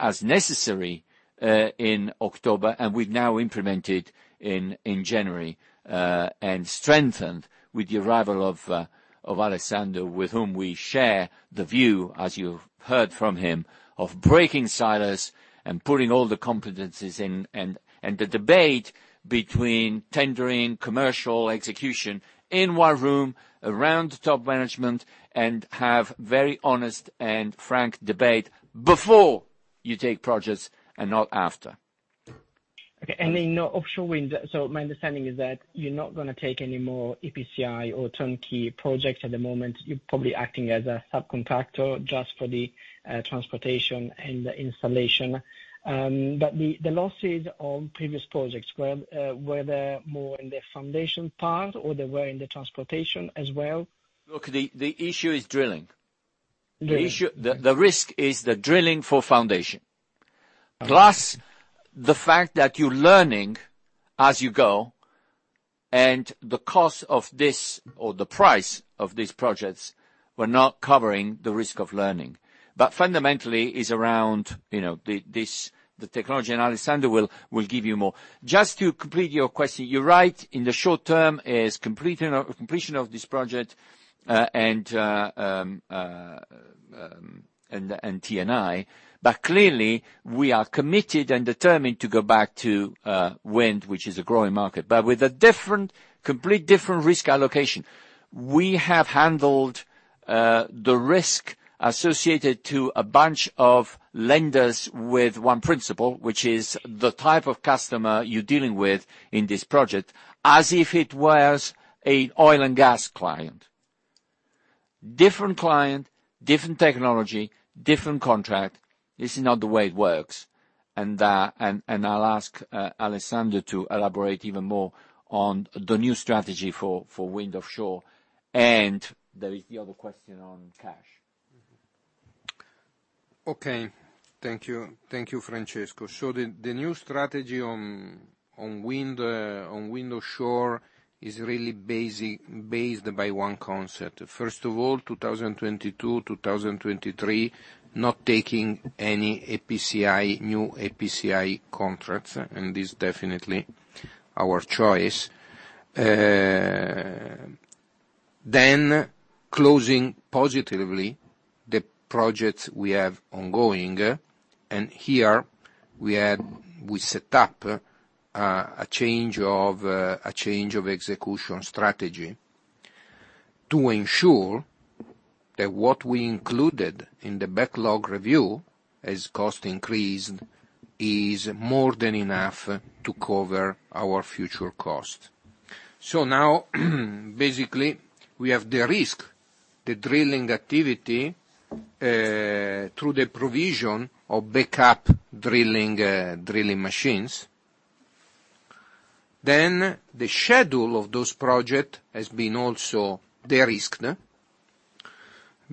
as necessary in October, and we've now implemented in January, and strengthened with the arrival of Alessandro, with whom we share the view, as you've heard from him, of breaking silos and putting all the competencies and the debate between tendering, commercial execution in one room around the top management and have very honest and frank debate before you take projects and not after. Okay. In offshore wind, so my understanding is that you're not gonna take any more EPCI or turnkey projects at the moment. You're probably acting as a subcontractor just for the transportation and the installation. The losses on previous projects were they more in the foundation part, or they were in the transportation as well? Look, the issue is drilling. The issue, the risk is the drilling for foundation. Plus, the fact that you're learning as you go, and the cost of this, or the price of these projects were not covering the risk of learning. Fundamentally it's around, you know, the, this, the technology, and Alessandro will give you more. Just to complete your question, you're right, in the short term is completing or completion of this project, and T&I. Clearly, we are committed and determined to go back to wind, which is a growing market, but with a different, complete different risk allocation. We have handled the risk associated to a bunch of lenders with one principle, which is the type of customer you're dealing with in this project, as if it was a oil and gas client. Different client, different technology, different contract, this is not the way it works. I'll ask Alessandro to elaborate even more on the new strategy for wind offshore, and there is the other question on cash. Okay. Thank you, Francesco. The new strategy on wind offshore is really based by one concept. First of all, 2022, 2023, not taking any EPCI, new EPCI contracts, and this definitely our choice. Then closing positively, the projects we have ongoing, and here we set up a change of execution strategy to ensure that what we included in the backlog review as cost increase is more than enough to cover our future cost. Now, basically, we have de-risked the drilling activity through the provision of backup drilling machines. The schedule of those project has been also de-risked,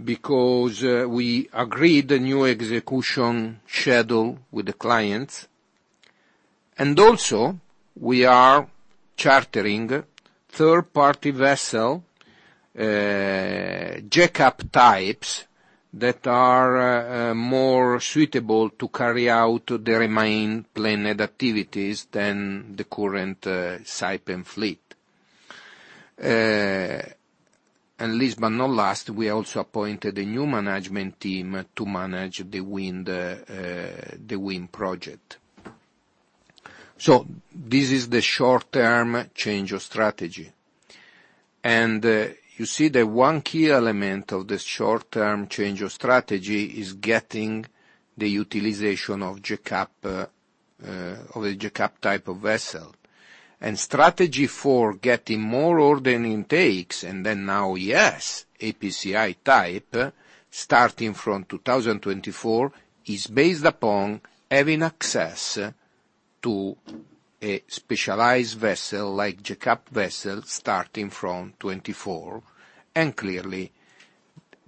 because we agreed the new execution schedule with the clients. We are also chartering third-party vessel, jackup types that are more suitable to carry out the remaining planned activities than the current Saipem fleet. Last but not least, we also appointed a new management team to manage the wind project. This is the short-term change of strategy. You see the one key element of the short-term change of strategy is getting the utilization of jackup, of a jackup type of vessel. Strategy for getting more order intakes, and then now, yes, EPCI type, starting from 2024, is based upon having access to a specialized vessel like jackup vessel starting from 2024, and clearly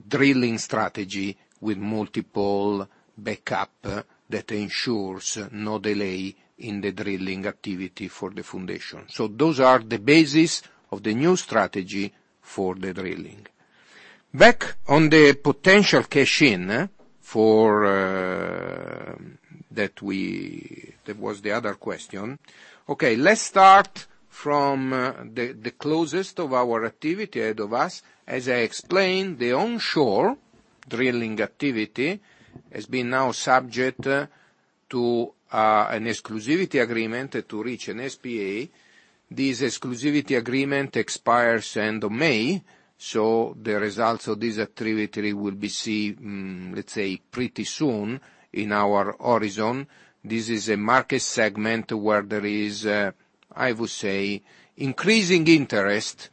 drilling strategy with multiple backup that ensures no delay in the drilling activity for the foundation. Those are the basis of the new strategy for the drilling. Back on the potential cash-in for that. That was the other question. Okay, let's start from the closest of our activity ahead of us. As I explained, the onshore drilling activity has been now subject to an exclusivity agreement to reach an SPA. This exclusivity agreement expires end of May, so the results of this activity will be seen, let's say, pretty soon in our horizon. This is a market segment where there is, I would say, increasing interest,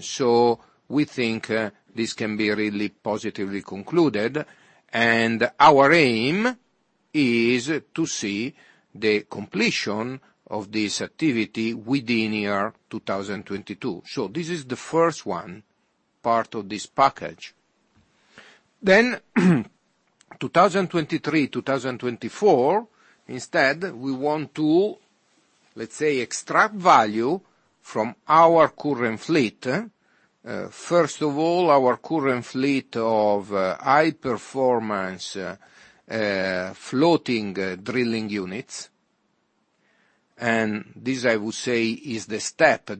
so we think this can be really positively concluded, and our aim is to see the completion of this activity within year 2022. This is the first one, part of this package. 2023, 2024, instead, we want to, let's say, extract value from our current fleet. First of all, our current fleet of high-performance floating drilling units, and this I would say is the step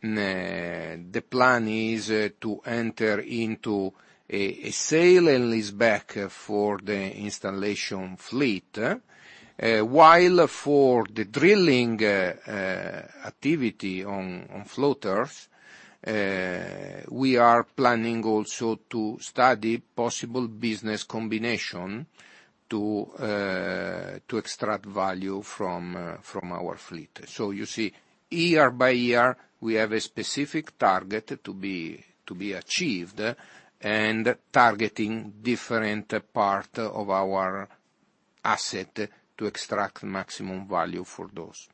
that is foreseen in 2023, while we are thinking in 2024 then to come to the point where we can extract value from our high-performance fleet of installation vessel. There is a clear plan. The plan is to enter into a sale and leaseback for the installation fleet, while for the drilling activity on floaters, we are planning also to study possible business combination to extract value from our fleet. You see, year by year, we have a specific target to be achieved and targeting different part of our asset to extract maximum value for those.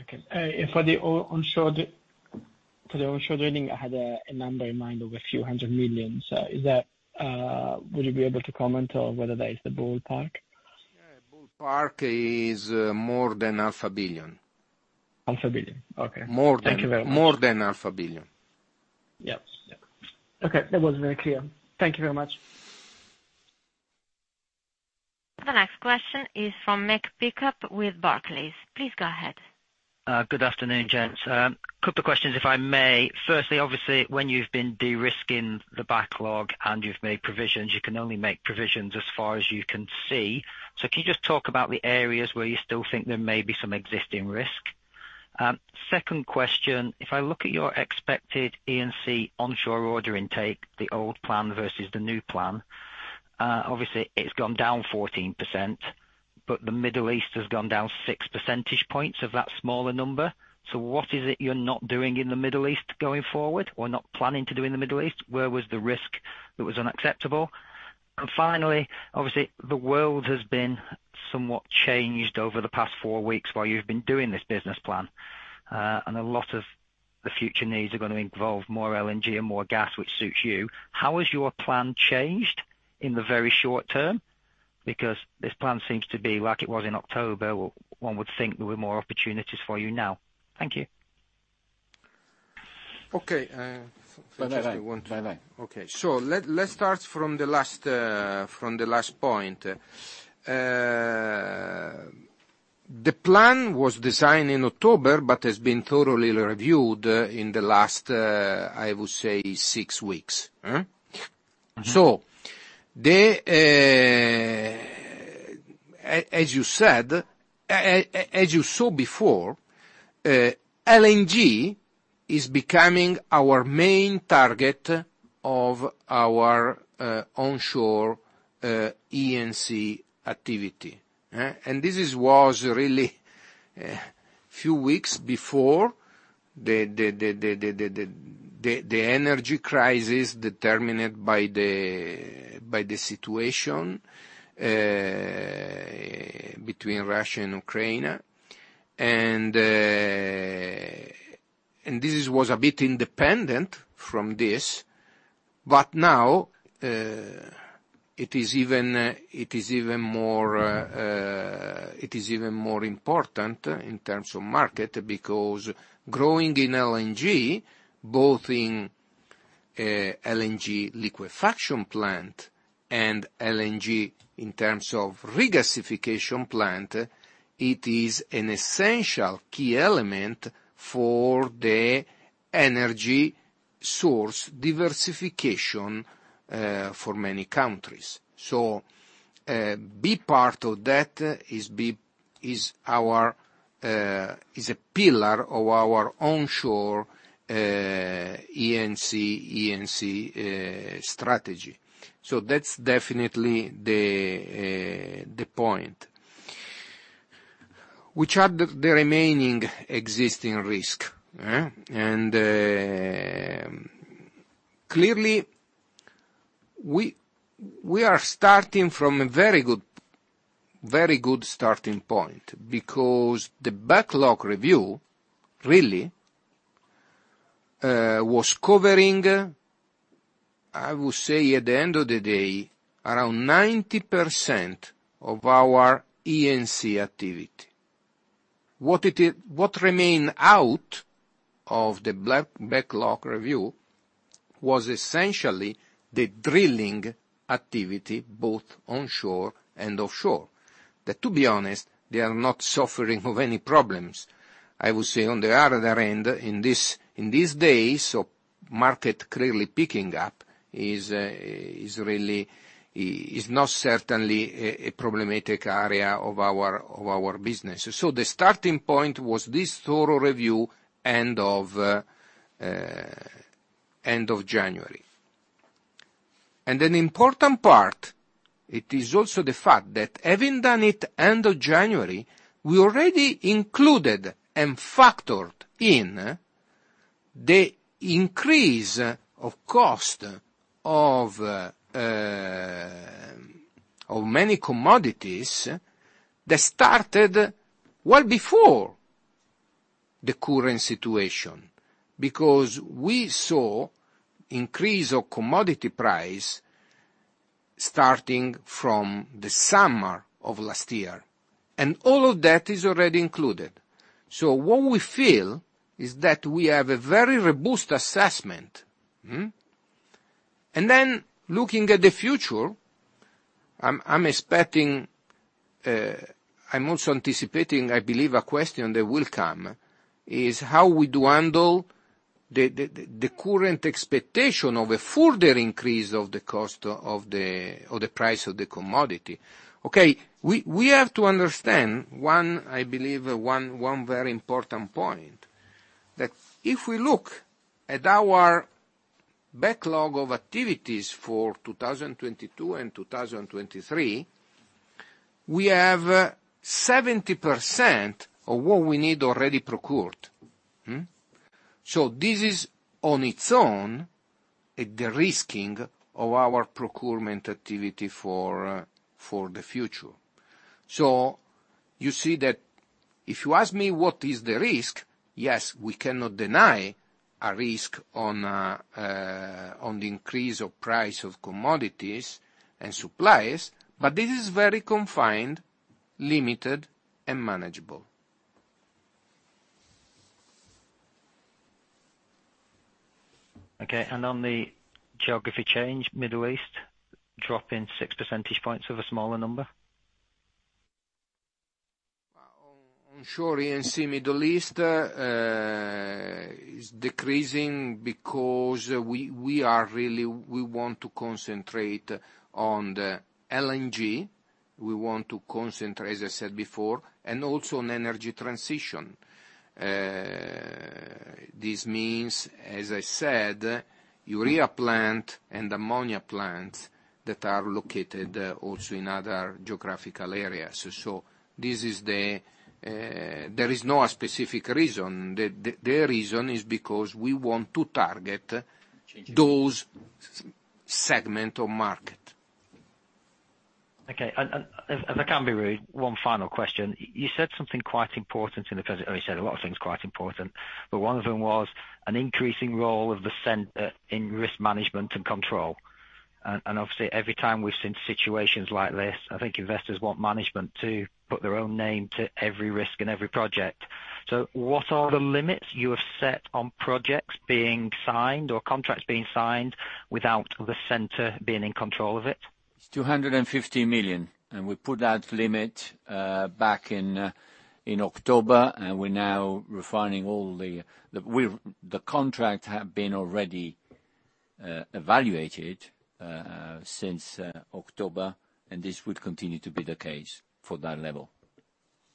Okay. For the onshore drilling, I had a number in mind of a few 100 million. Is that the ballpark? Would you be able to comment on whether that is the ballpark? Yeah. Ballpark is more than 0.5 billion. 0.5 billion. Okay. More than. Thank you very much. More than 0.5 million. Yeah. Okay, that was very clear. Thank you very much. The next question is from Mick Pickup with Barclays. Please go ahead. Good afternoon, gents. A couple of questions, if I may. Firstly, obviously, when you've been de-risking the backlog and you've made provisions, you can only make provisions as far as you can see. Can you just talk about the areas where you still think there may be some existing risk? Second question, if I look at your expected E&C onshore order intake, the old plan versus the new plan, obviously it's gone down 14%, but the Middle East has gone down 6 percentage points of that smaller number. What is it you're not doing in the Middle East going forward, or not planning to do in the Middle East? Where was the risk that was unacceptable? Finally, obviously, the world has been somewhat changed over the past four weeks while you've been doing this business plan, and a lot of the future needs are gonna involve more LNG and more gas, which suits you. How has your plan changed in the very short term? Because this plan seems to be like it was in October. One would think there were more opportunities for you now. Thank you. Okay, if you just want- No, no. Okay. Let's start from the last point. The plan was designed in October, but has been thoroughly reviewed in the last, I would say, six weeks. Mm-hmm. As you said, as you saw before, LNG is becoming our main target of our onshore E&C activity. This was really few weeks before the energy crisis determined by the situation between Russia and Ukraine. This was a bit independent from this, but now it is even more important in terms of market, because growing in LNG, both in LNG liquefaction plant and LNG in terms of regasification plant, it is an essential key element for the energy source diversification for many countries. Be part of that is a pillar of our onshore E&C strategy. That's definitely the point. What are the remaining existing risk? Clearly, we are starting from a very good starting point, because the backlog review really was covering, I would say, at the end of the day, around 90% of our E&C activity. What remained out of the backlog review was essentially the drilling activity, both onshore and offshore. That, to be honest, they are not suffering from any problems. I would say on the other end, in these days, market clearly picking up is really not certainly a problematic area of our business. The starting point was this thorough review end of January. An important part, it is also the fact that having done it end of January, we already included and factored in the increase of cost of many commodities that started well before the current situation. Because we saw increase of commodity price starting from the summer of last year. All of that is already included. So what we feel is that we have a very robust assessment. Then looking at the future, I'm expecting. I'm also anticipating, I believe a question that will come, is how we do handle the current expectation of a further increase of the cost of the or the price of the commodity. Okay, we have to understand one very important point, I believe, that if we look at our backlog of activities for 2022 and 2023, we have 70% of what we need already procured. This is on its own, a de-risking of our procurement activity for the future. You see that if you ask me what is the risk? Yes, we cannot deny a risk on the increase of price of commodities and supplies, but this is very confined, limited, and manageable. Okay. On the geography change, Middle East, drop in 6 percentage points of a smaller number. Well, sure, Eni Middle East is decreasing because we want to concentrate on the LNG. We want to concentrate, as I said before, and also on energy transition. This means, as I said, urea plant and ammonia plant that are located also in other geographical areas. This is the, there is no a specific reason. The reason is because we want to target those segments or market. Okay. If I can be rude, one final question. You said something quite important, or you said a lot of things quite important, but one of them was an increasing role of the center in risk management and control. Obviously, every time we've seen situations like this, I think investors want management to put their own name to every risk and every project. What are the limits you have set on projects being signed or contracts being signed without the center being in control of it? It's 250 million, and we put that limit back in October. The contract had been already evaluated since October, and this would continue to be the case for that level.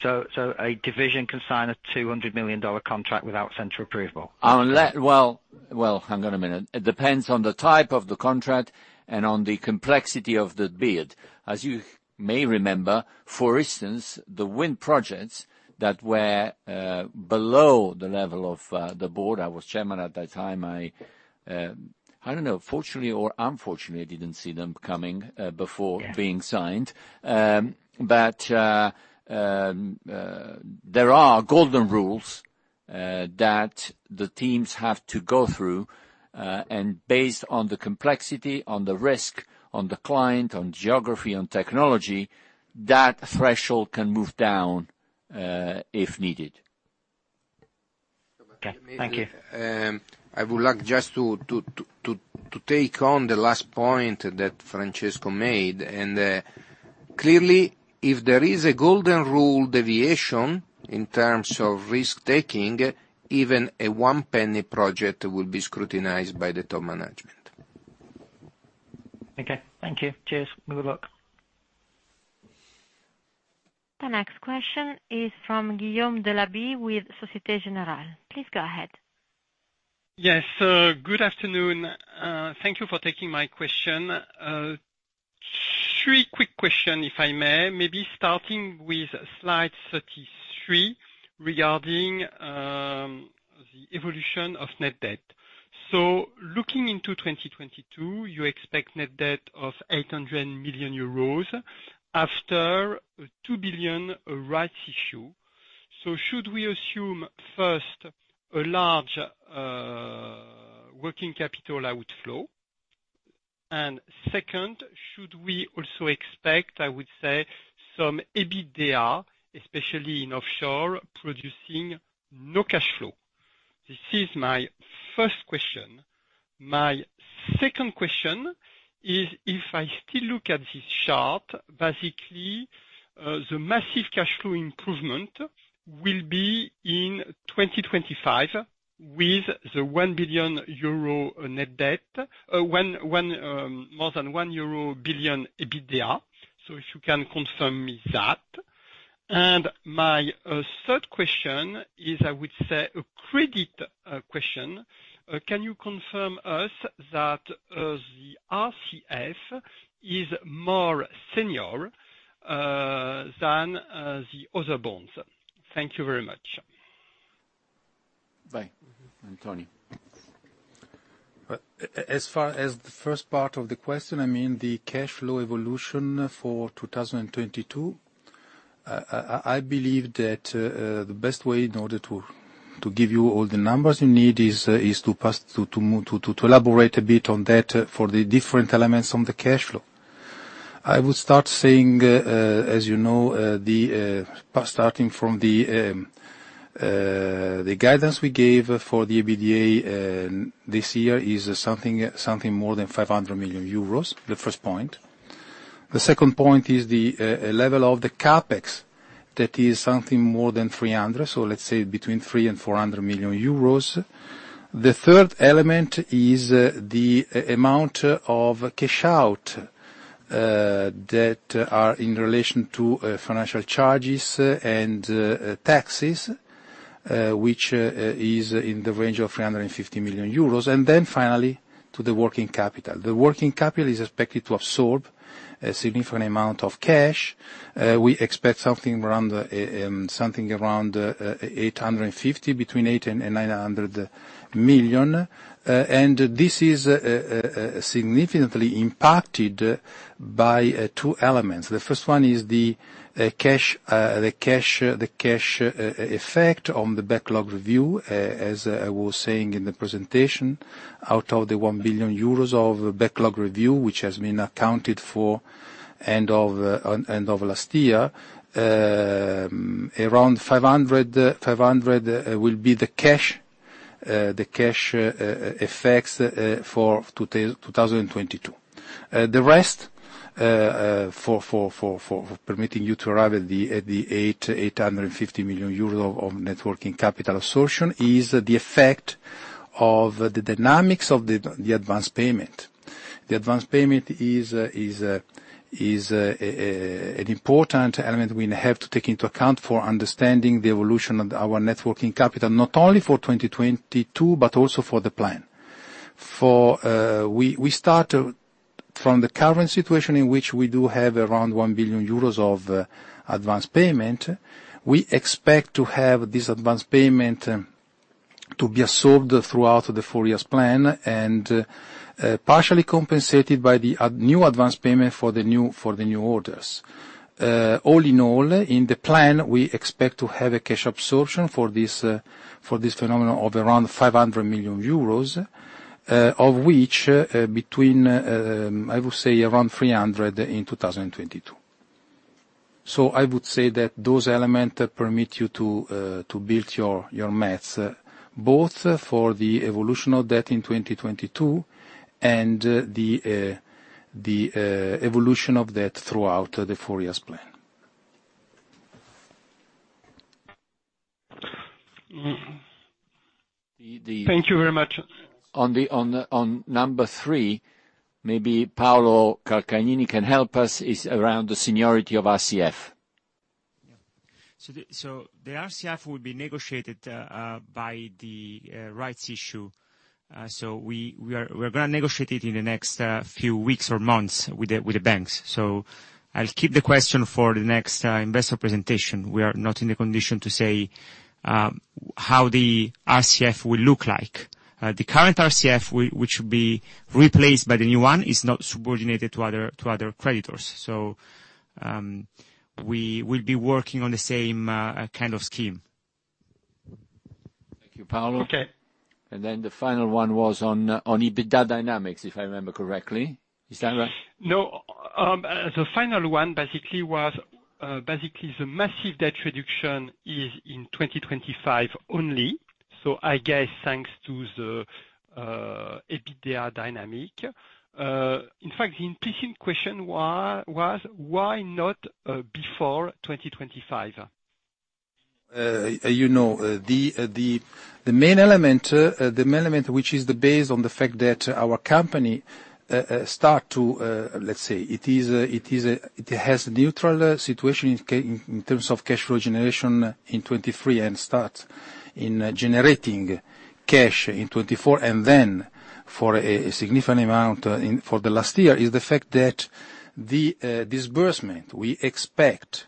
A division can sign a $200 million contract without central approval? Well, well, hang on a minute. It depends on the type of the contract and on the complexity of the bid. As you may remember, for instance, the wind projects that were below the level of the board. I was chairman at that time. I don't know, fortunately or unfortunately, I didn't see them coming before. Yeah. Being signed. There are golden rules that the teams have to go through. Based on the complexity, on the risk, on the client, on geography, on technology, that threshold can move down, if needed. Okay. Thank you. I would like just to take on the last point that Francesco made, and clearly, if there is a golden rule deviation in terms of risk-taking, even a one penny project will be scrutinized by the top management. Okay. Thank you. Cheers. Good luck. The next question is from Guillaume Delaby with Société Générale. Please go ahead. Yes, good afternoon. Thank you for taking my question. Three quick questions, if I may. Maybe starting with slide 33 regarding the evolution of net debt. Looking into 2022, you expect net debt of 800 million euros after 2 billion rights issue. Should we assume, first, a large working capital outflow? And second, should we also expect, I would say, some EBITDA, especially in offshore, producing no cash flow? This is my first question. My second question is, if I still look at this chart, basically, the massive cash flow improvement will be in 2025, with the 1 billion euro net debt. More than 1 billion euro EBITDA. If you can confirm that to me. My third question is, I would say, a credit question. Can you confirm us that the RCF is more senior than the other bonds? Thank you very much. By, Antonio. As far as the first part of the question, I mean, the cash flow evolution for 2022, I believe that the best way in order to give you all the numbers you need is to pass through to elaborate a bit on that for the different elements on the cash flow. I would start saying, as you know, starting from the guidance we gave for the EBITDA, this year is something more than 500 million euros, the first point. The second point is the level of the CapEx. That is something more than 300 million, so let's say between 300 million and 400 million euros. The third element is the amount of cash out that are in relation to financial charges and taxes, which is in the range of 350 million euros. Finally, to the working capital. The working capital is expected to absorb a significant amount of cash. We expect something around 850 million, between 800 million and EUR 900 million. This is significantly impacted by two elements. The first one is the cash effect on the backlog review. As I was saying in the presentation, out of the 1 billion euros of backlog review, which has been accounted for end of last year. Around 500 million will be the cash effects for 2022. The rest for permitting you to arrive at the 850 million euros of net working capital absorption is the effect of the dynamics of the advance payment. The advance payment is an important element we have to take into account for understanding the evolution of our net working capital, not only for 2022, but also for the plan. We start from the current situation in which we do have around 1 billion euros of advance payment. We expect to have this advanced payment to be absorbed throughout the four years plan and partially compensated by the advance payment for the new orders. All in all, in the plan, we expect to have a cash absorption for this phenomenon of around 500 million euros, of which around EUR 300 million in 2022. I would say that those elements permit you to build your math, both for the evolution of debt in 2022 and the evolution of debt throughout the four years plan. The. Thank you very much. On number three, maybe Paolo Calcagnini can help us. It's around the seniority of RCF. The RCF will be negotiated by the rights issue. We're gonna negotiate it in the next few weeks or months with the banks. I'll keep the question for the next investor presentation. We are not in the condition to say how the RCF will look like. The current RCF, which will be replaced by the new one, is not subordinated to other creditors. We will be working on the same kind of scheme. Thank you, Paolo. Okay. The final one was on EBITDA dynamics, if I remember correctly. Is that right? No. The final one basically was the massive debt reduction is in 2025 only. I guess thanks to the EBITDA dynamic. In fact, the implicit question why was why not before 2025? You know, the main element, which is based on the fact that our company starts to, let's say, have a neutral situation in terms of cash flow generation in 2023 and starts generating cash in 2024, and then for a significant amount in the last year, is the fact that the disbursement we expect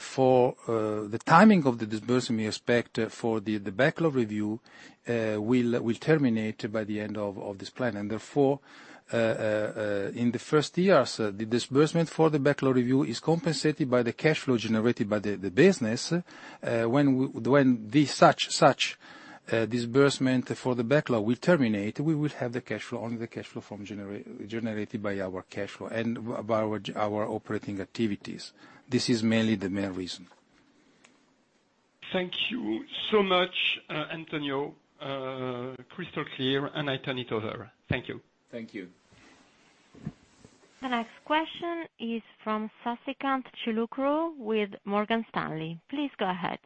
for the timing of the disbursement we expect for the backlog review will terminate by the end of this plan. Therefore, in the first years, the disbursement for the backlog review is compensated by the cash flow generated by the business. When the cash disbursement for the backlog will terminate, we will have the cash flow only from the cash flow generated by our operating activities. This is mainly the main reason. Thank you so much, Antonio. Crystal clear, I turn it over. Thank you. Thank you. The next question is from Sasikanth Chilukuru with Morgan Stanley. Please go ahead.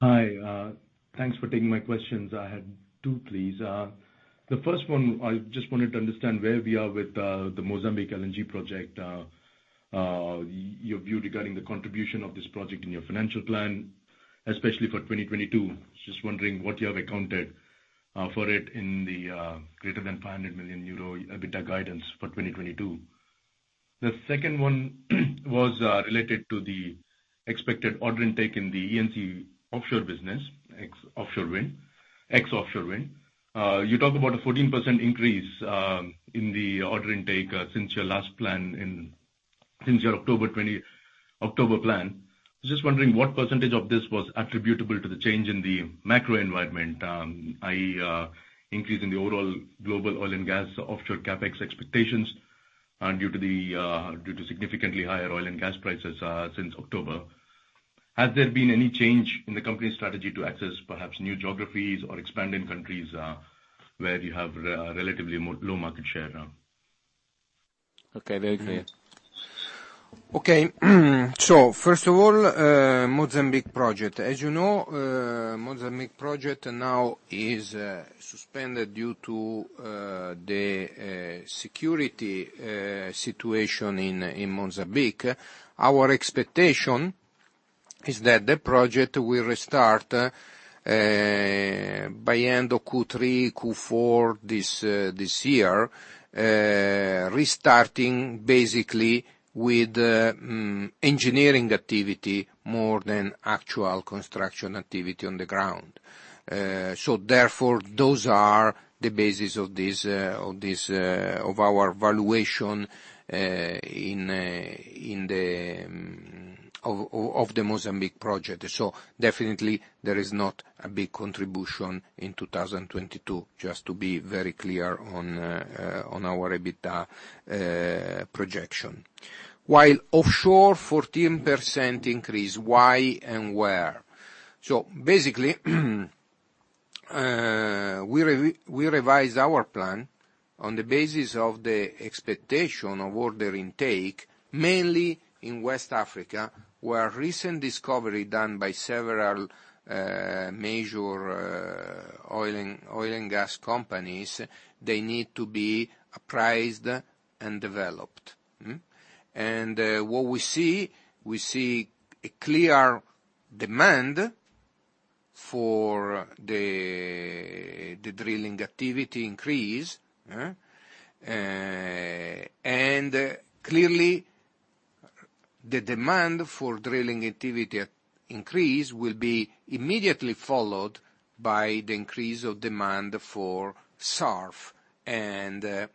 Hi. Thanks for taking my questions. I had two, please. The first one, I just wanted to understand where we are with the Mozambique LNG project. Your view regarding the contribution of this project in your financial plan, especially for 2022. Just wondering what you have accounted for it in the greater than 500 million euro EBITDA guidance for 2022. The second one was related to the expected order intake in the E&C Offshore business, ex offshore wind. You talk about a 14% increase in the order intake since your last plan in, since your October plan. Just wondering what percentage of this was attributable to the change in the macro environment, i.e., increase in the overall global oil and gas offshore CapEx expectations, due to significantly higher oil and gas prices since October. Has there been any change in the company's strategy to access perhaps new geographies or expand in countries where you have relatively low market share now? Okay. Very clear. Okay. Okay. First of all, Mozambique project. As you know, Mozambique project now is suspended due to the security situation in Mozambique. Our expectation. It's that the project will restart by end of Q3, Q4 this year. Restarting basically with engineering activity more than actual construction activity on the ground. Therefore, those are the basis of our valuation of the Mozambique project. Definitely there is not a big contribution in 2022, just to be very clear on our EBITDA projection. While offshore 14% increase, why and where? Basically, we revise our plan on the basis of the expectation of order intake, mainly in West Africa, where recent discovery done by several major oil and gas companies, they need to be appraised and developed. What we see is a clear demand for the drilling activity increase. Clearly, the demand for drilling activity increase will be immediately followed by the increase of demand for SURF and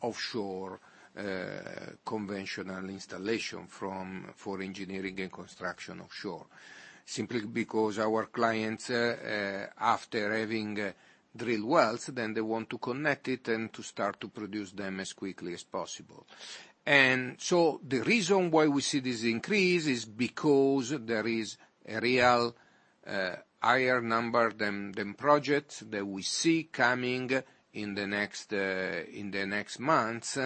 offshore conventional installation for engineering and construction offshore. Simply because our clients, after having drilled wells, then they want to connect it and to start to produce them as quickly as possible. The reason why we see this increase is because there is a real higher number of projects that we see coming in the next months,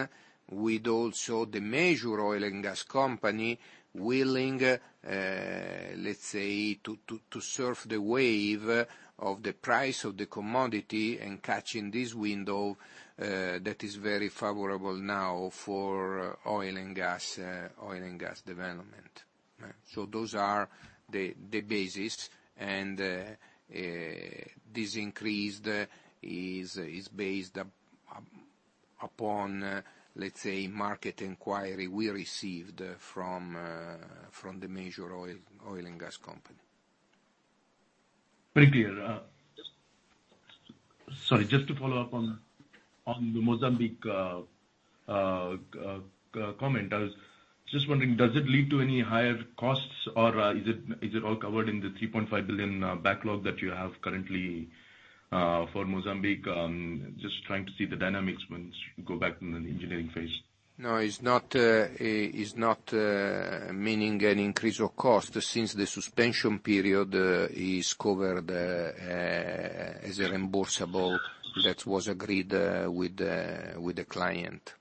with also the major oil and gas company willing, let's say, to surf the wave of the price of the commodity and catching this window that is very favorable now for oil and gas development. Those are the basis and this increase is based upon, let's say, market inquiry we received from the major oil and gas company. Very clear. Sorry, just to follow up on the Mozambique comment. I was just wondering, does it lead to any higher costs or is it all covered in the 3.5 billion backlog that you have currently for Mozambique? Just trying to see the dynamics once you go back from an engineering phase. No, it's not meaning any increase of cost since the suspension period is covered as a reimbursable that was agreed with the client.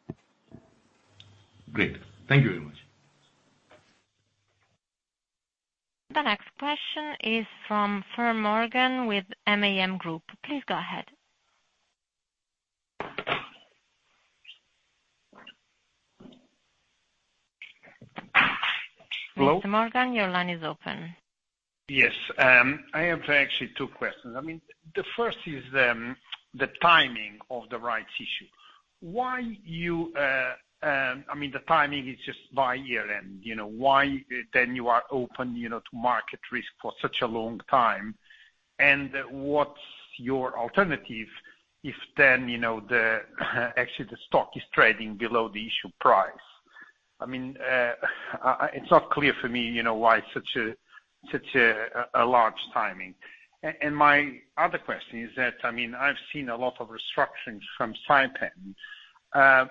Great. Thank you very much. The next question is from Mr. Morgan with Man Group. Please go ahead. Hello? Mr. Morgan, your line is open. Yes. I have actually two questions. I mean, the first is the timing of the rights issue. I mean, the timing is just by year-end. You know, why then you are open, you know, to market risk for such a long time? And what's your alternative if then, you know, the, actually the stock is trading below the issue price? I mean, it's not clear for me, you know, why such a large timing. My other question is that, I mean, I've seen a lot of restructurings from Saipem.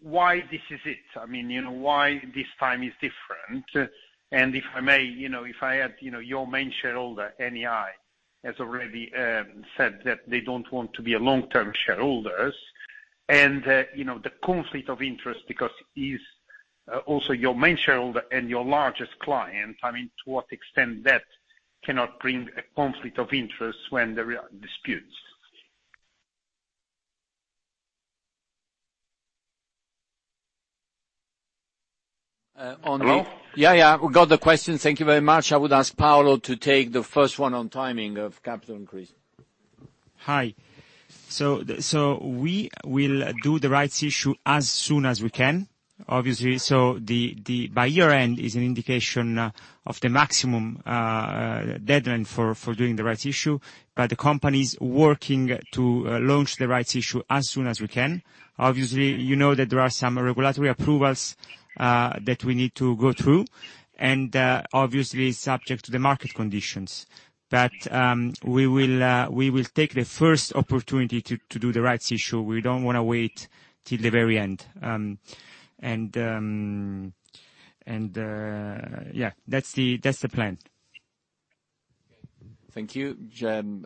Why this is it? I mean, you know, why this time is different? If I may, you know, if I add, you know, your main shareholder, Eni, has already said that they don't want to be a long-term shareholders. You know, the conflict of interest because Eni is also your main shareholder and your largest client, I mean, to what extent that cannot bring a conflict of interest when there are disputes? Uh, on the. Hello? Yeah, yeah, we got the question. Thank you very much. I would ask Paolo to take the first one on timing of capital increase. Hi. We will do the rights issue as soon as we can, obviously. The by year-end is an indication of the maximum deadline for doing the rights issue. The company's working to launch the rights issue as soon as we can. Obviously, you know that there are some regulatory approvals that we need to go through, and obviously subject to the market conditions. We will take the first opportunity to do the rights issue. We don't wanna wait till the very end. Yeah. That's the plan. Thank you.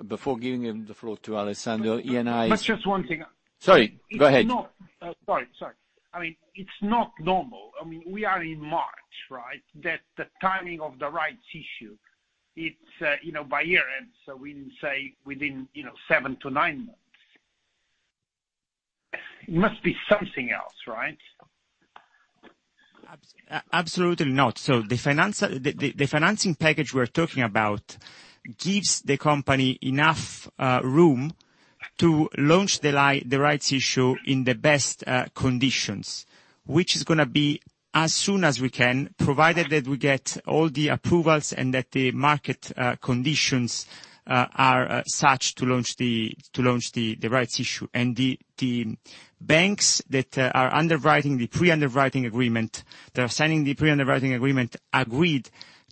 Before giving the floor to Alessandro, Eni. Just one thing. Sorry, go ahead. It's not normal. I mean, we are in March, right? That the timing of the rights issue, it's, you know, by year-end, so we didn't say within, you know, seven to nine months. It must be something else, right? Absolutely not. The financing package we're talking about gives the company enough room to launch the rights issue in the best conditions, which is gonna be as soon as we can, provided that we get all the approvals, and that the market conditions are such to launch the rights issue. The banks that are underwriting the pre-underwriting agreement are signing the pre-underwriting agreement and agreed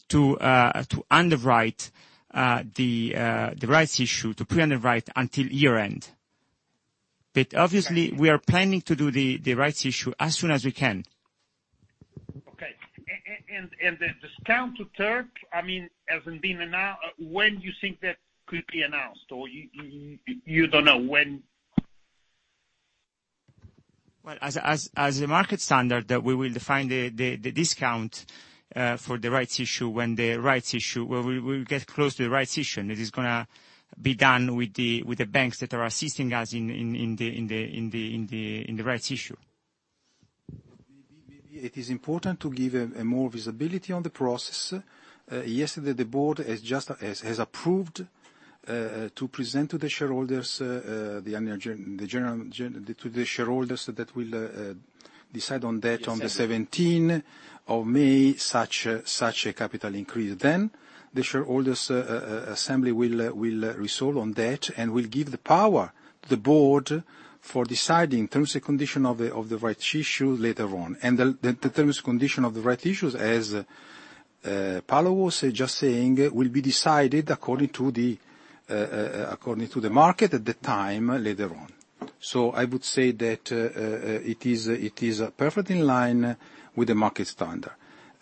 to underwrite the rights issue, to pre-underwrite until year-end. Obviously, we are planning to do the rights issue as soon as we can. The discount to TERP, I mean, hasn't been announced. When do you think that could be announced, or you don't know when? Well, as a market standard, we will define the discount for the rights issue when we get close to the rights issue. It is gonna be done with the banks that are assisting us in the rights issue. It is important to give a more visibility on the process. Yesterday the board has just approved to present to the shareholders the annual general to the shareholders that will decide on that on the 17th of May such a capital increase. The shareholders' assembly will resolve on that and will give the power to the board for deciding terms and condition of the rights issue later on. The terms and condition of the rights issues, as Paolo was just saying, will be decided according to the market at the time later on. I would say that it is perfect in line with the market standard.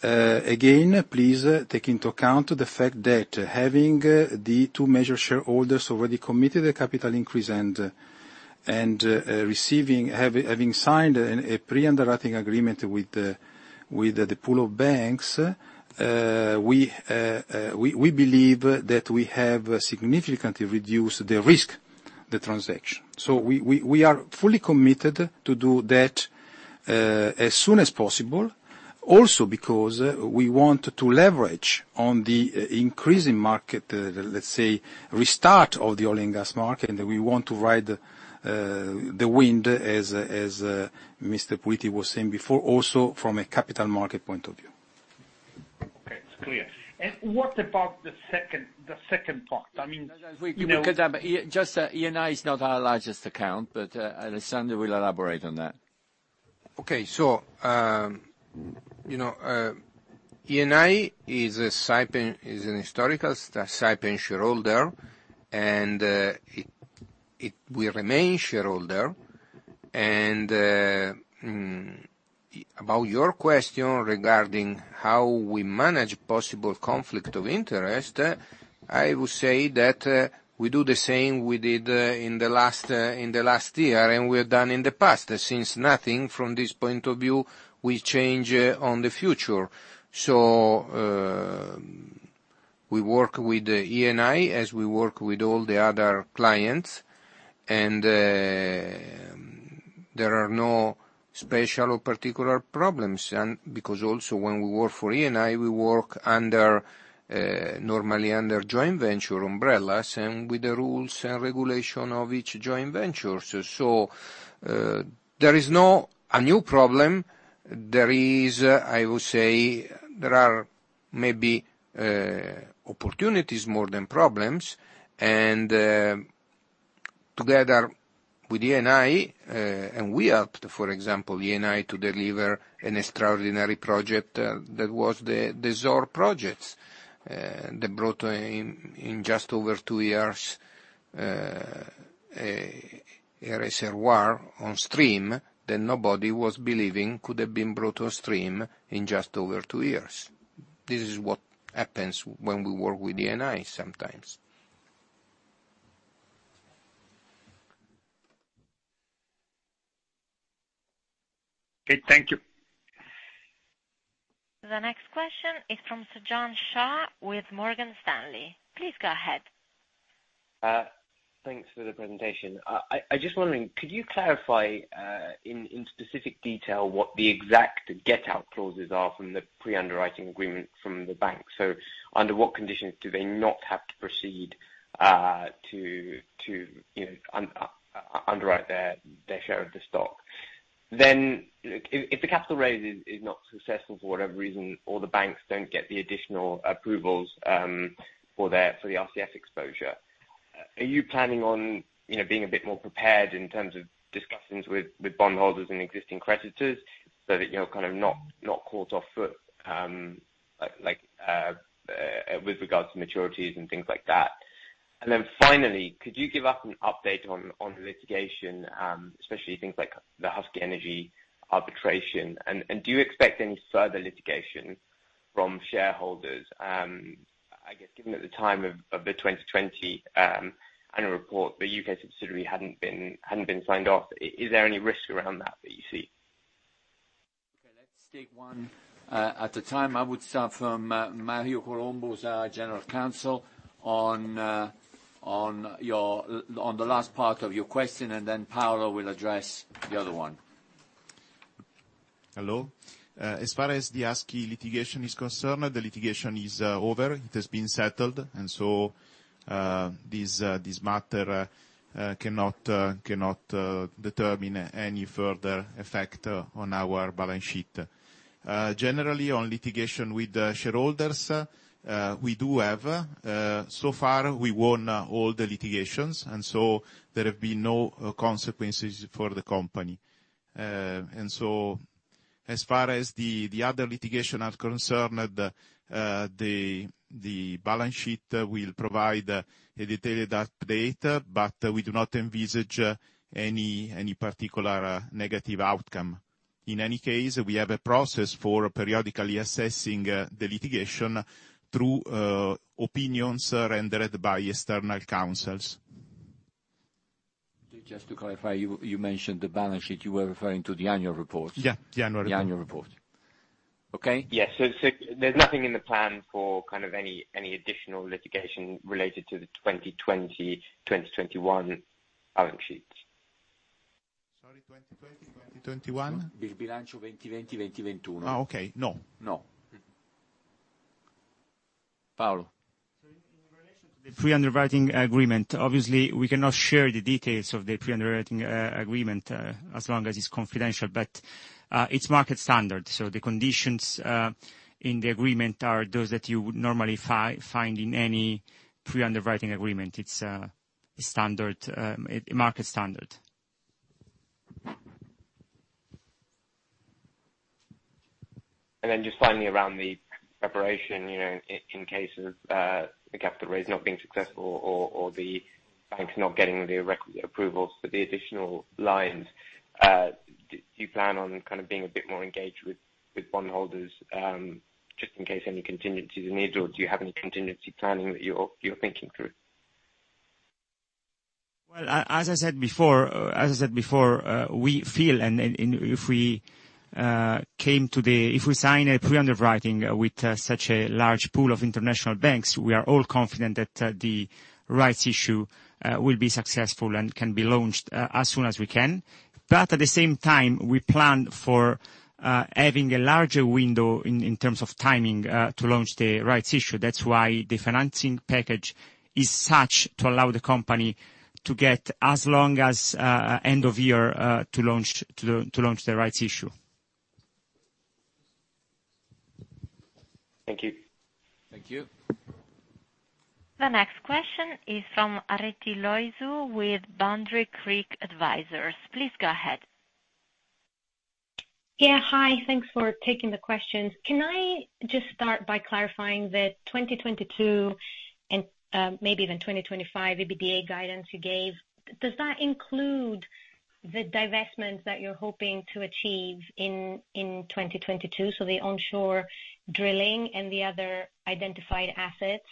Again, please take into account the fact that having the two major shareholders already committed a capital increase and having signed a pre-underwriting agreement with the pool of banks, we believe that we have significantly reduced the risk, the transaction. We are fully committed to do that as soon as possible also because we want to leverage on the increasing market, let's say restart of the oil and gas market, and we want to ride the wind as Mr. Puliti was saying before, also from a capital market point of view. Okay, it's clear. What about the second part? I mean, you know. Just, Eni is not our largest account, but Alessandro will elaborate on that. Okay. You know, Eni is an historical Saipem shareholder, and it will remain a shareholder. About your question regarding how we manage possible conflict of interest, I would say that we do the same we did in the last year, and we have done in the past, since nothing from this point of view will change in the future. We work with Eni as we work with all the other clients, and there are no special or particular problems. Because also when we work for Eni, we work normally under joint venture umbrellas and with the rules and regulations of each joint venture. There is no new problem. I would say there are maybe opportunities more than problems. Together with Eni, and we helped, for example, Eni to deliver an extraordinary project that was the Zohr projects that brought in just over two years a reservoir on stream that nobody was believing could have been brought to stream in just over two years. This is what happens when we work with Eni sometimes. Okay, thank you. The next question is from Sujan Shah with Morgan Stanley. Please go ahead. Thanks for the presentation. I'm just wondering, could you clarify in specific detail what the exact get-out clauses are from the pre-underwriting agreement from the bank? Under what conditions do they not have to proceed to you know underwrite their share of the stock? If the capital raise is not successful for whatever reason, or the banks don't get the additional approvals for the RCF exposure, are you planning on you know being a bit more prepared in terms of discussions with bondholders and existing creditors so that you know kind of not caught off guard like with regards to maturities and things like that? Finally, could you give us an update on litigation especially things like the Husky Energy arbitration? Do you expect any further litigation from shareholders? I guess given at the time of the 2020 annual report, the U.K. subsidiary hadn't been signed off. Is there any risk around that you see? Take one at a time. I would start from Mario Colombo, who's our General Counsel, on the last part of your question, and then Paolo will address the other one. As far as the Husky litigation is concerned, the litigation is over. It has been settled, and so this matter cannot determine any further effect on our balance sheet. Generally, on litigation with shareholders, we do have so far, we won all the litigations, and so there have been no consequences for the company. As far as the other litigation are concerned, the balance sheet will provide a detailed update, but we do not envisage any particular negative outcome. In any case, we have a process for periodically assessing the litigation through opinions rendered by external counsels. Just to clarify, you mentioned the balance sheet, you were referring to the annual report? Yeah, the annual report. The annual report. Okay. Yes. There's nothing in the plan for kind of any additional litigation related to the 2020, 2021 balance sheets. Sorry, 2020, 2021? The balance sheets 2020, 2021. Oh, okay. No. No. Paolo. In relation to the pre-underwriting agreement, obviously we cannot share the details of the pre-underwriting agreement as long as it's confidential. It's market standard, so the conditions in the agreement are those that you would normally find in any pre-underwriting agreement. It's a standard, a market standard. Just finally around the preparation, you know, in case of the capital raise not being successful or the banks not getting the re-approval for the additional lines, do you plan on kind of being a bit more engaged with bondholders, just in case any contingencies are needed? Or do you have any contingency planning that you're thinking through? Well, as I said before, we feel, and if we sign a pre-underwriting with such a large pool of international banks, we are all confident that the rights issue will be successful and can be launched as soon as we can. At the same time, we plan for having a larger window in terms of timing to launch the rights issue. That's why the financing package is such to allow the company to get as long as end of year to launch the rights issue. Thank you. Thank you. The next question is from Areti Loizou with Boundary Creek Advisors. Please go ahead. Yeah. Hi, thanks for taking the questions. Can I just start by clarifying the 2022 and maybe even 2025 EBITDA guidance you gave? Does that include the divestments that you're hoping to achieve in 2022, so the onshore drilling and the other identified assets?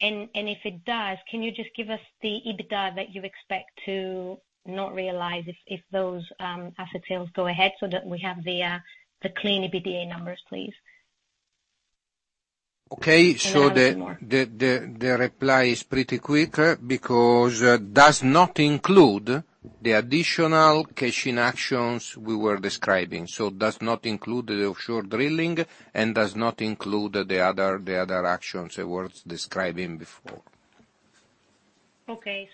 And if it does, can you just give us the EBITDA that you expect to not realize if those asset sales go ahead so that we have the clean EBITDA numbers, please? Okay. One more. The reply is pretty quick, because it does not include the additional cash in actions we were describing. It does not include the offshore drilling, and does not include the other actions I was describing before. Okay.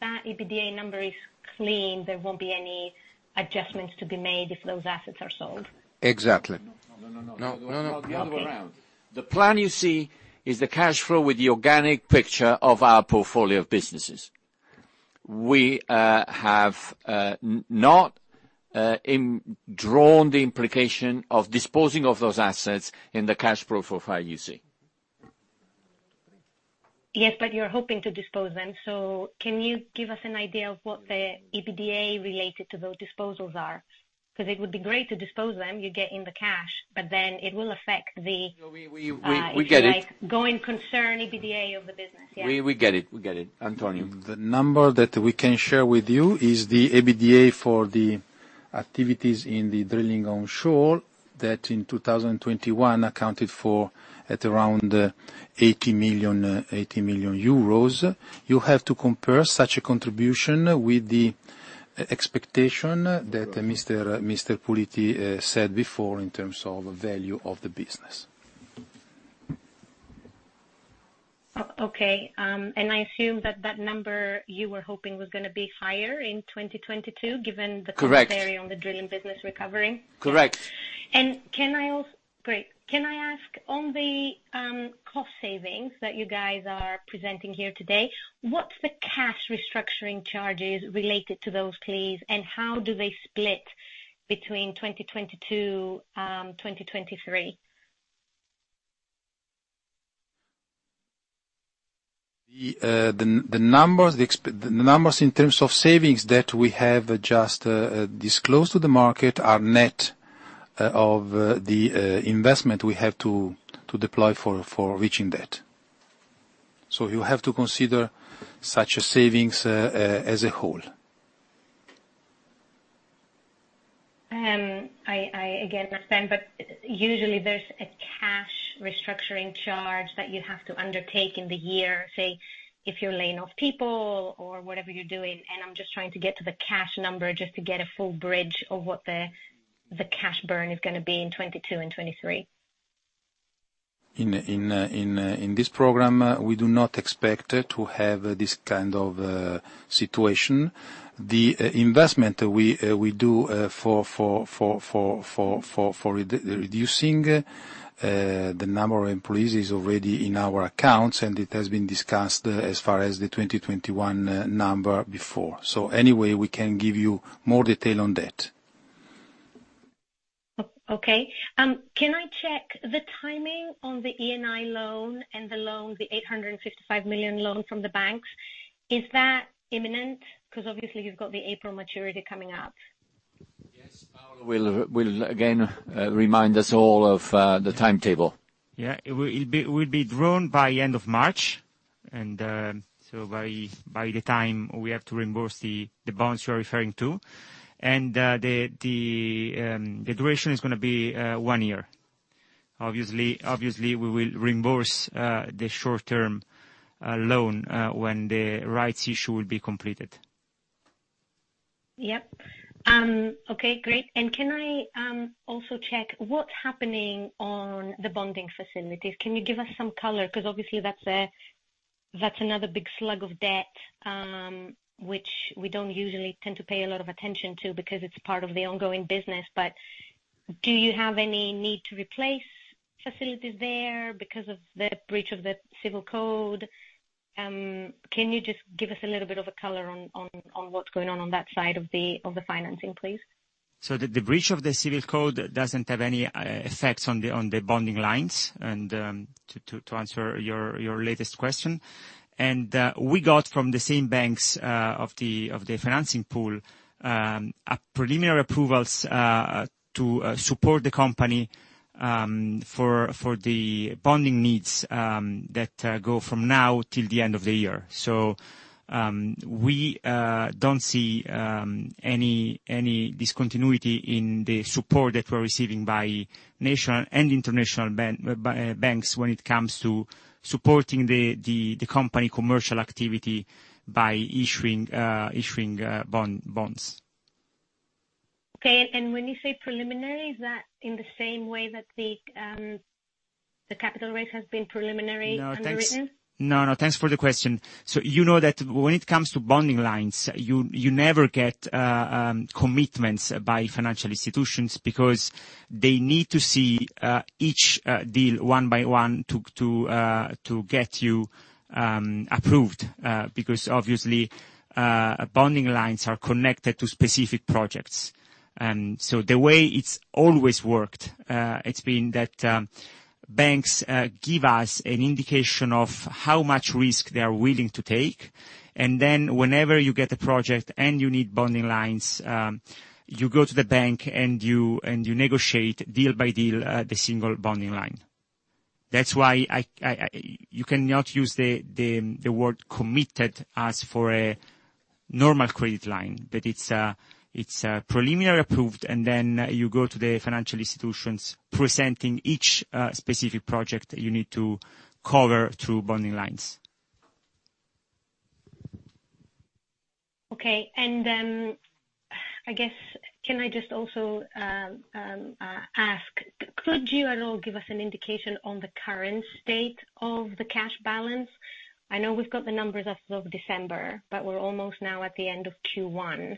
That EBITDA number is clean. There won't be any adjustments to be made if those assets are sold. Exactly. No, no, no. No, no. Okay. The other way around. The plan you see is the cash flow with the organic picture of our portfolio of businesses. We have not drawn the implication of disposing of those assets in the cash flow for 2025. Yes, but you're hoping to dispose of them. Can you give us an idea of what the EBITDA related to those disposals are? Because it would be great to dispose of them, you're getting the cash, but then it will affect the. We get it. Like, going concern EBITDA of the business. Yeah. We get it. Antonio. The number that we can share with you is the EBITDA for the activities in the drilling onshore that in 2021 accounted for at around 80 million euros. You have to compare such a contribution with the expectation that Mr. Puliti said before in terms of value of the business. Okay. I assume that number you were hoping was gonna be higher in 2022, given the. Correct commentary on the drilling business recovering. Correct. Great. Can I ask on the cost savings that you guys are presenting here today, what's the cash restructuring charges related to those, please? How do they split between 2022, 2023? The numbers in terms of savings that we have just disclosed to the market are net of the investment we have to deploy for reaching that. You have to consider such a savings as a whole. I again understand, but usually there's a cash restructuring charge that you have to undertake in the year, say, if you're laying off people or whatever you're doing, and I'm just trying to get to the cash number just to get a full bridge of what the cash burn is gonna be in 2022 and 2023. In this program, we do not expect to have this kind of situation. The investment we do for reducing the number of employees is already in our accounts, and it has been discussed as far as the 2021 number before. Anyway, we can give you more detail on that. Okay. Can I check the timing on the Eni loan and the loan, the 855 million loan from the banks? Is that imminent? Because obviously you've got the April maturity coming up. Yes. Paolo will again remind us all of the timetable. Yeah. It'll be drawn by end of March, so by the time we have to reimburse the bonds you are referring to. The duration is gonna be one year. Obviously, we will reimburse the short-term loan when the rights issue will be completed. Yep. Okay, great. Can I also check what's happening on the bonding facilities? Can you give us some color? 'Cause obviously that's another big slug of debt, which we don't usually tend to pay a lot of attention to because it's part of the ongoing business. Do you have any need to replace facilities there because of the breach of the Civil Code? Can you just give us a little bit of a color on what's going on that side of the financing, please? The breach of the Civil Code doesn't have any effects on the bonding lines, and to answer your latest question. We got from the same banks of the financing pool a preliminary approvals to support the company for the bonding needs that go from now till the end of the year. We don't see any discontinuity in the support that we're receiving by national and international banks when it comes to supporting the company commercial activity by issuing bonds. Okay. When you say preliminary, is that in the same way that the capital raise has been preliminary? No, thanks. Underwritten? No, no. Thanks for the question. You know that when it comes to bonding lines, you never get commitments by financial institutions because they need to see each deal one by one to get you approved. Obviously, bonding lines are connected to specific projects. The way it's always worked, it's been that banks give us an indication of how much risk they are willing to take, and then whenever you get a project and you need bonding lines, you go to the bank, and you negotiate deal by deal, the single bonding line. That's why I You cannot use the word committed as in a normal credit line, but it's a preliminarily approved, and then you go to the financial institutions presenting each specific project that you need to cover through bonding lines. Okay. I guess, can I just also ask, could you at all give us an indication on the current state of the cash balance? I know we've got the numbers as of December, but we're almost now at the end of Q1.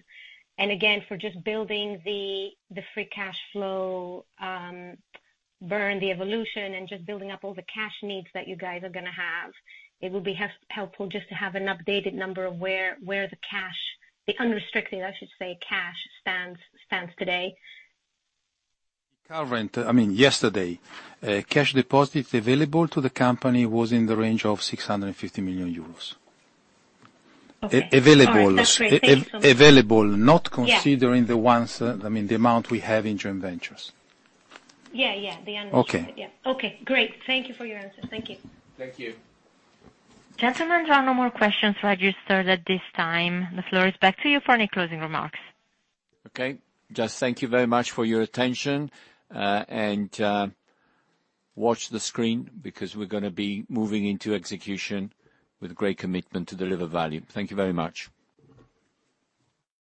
I guess, for just building the free cash flow burn, the evolution, and just building up all the cash needs that you guys are gonna have, it would be helpful just to have an updated number of where the unrestricted, I should say, cash stands today. I mean, yesterday, cash deposits available to the company was in the range of 650 million euros. Okay. Available. All right. That's great. Thanks so much. Available. Yeah. the ones, I mean, the amount we have in joint ventures. Yeah, yeah. Okay. Okay, great. Thank you for your answer. Thank you. Thank you. Gentlemen, there are no more questions registered at this time. The floor is back to you for any closing remarks. Okay. Just thank you very much for your attention and watch the screen because we're gonna be moving into execution with great commitment to deliver value. Thank you very much.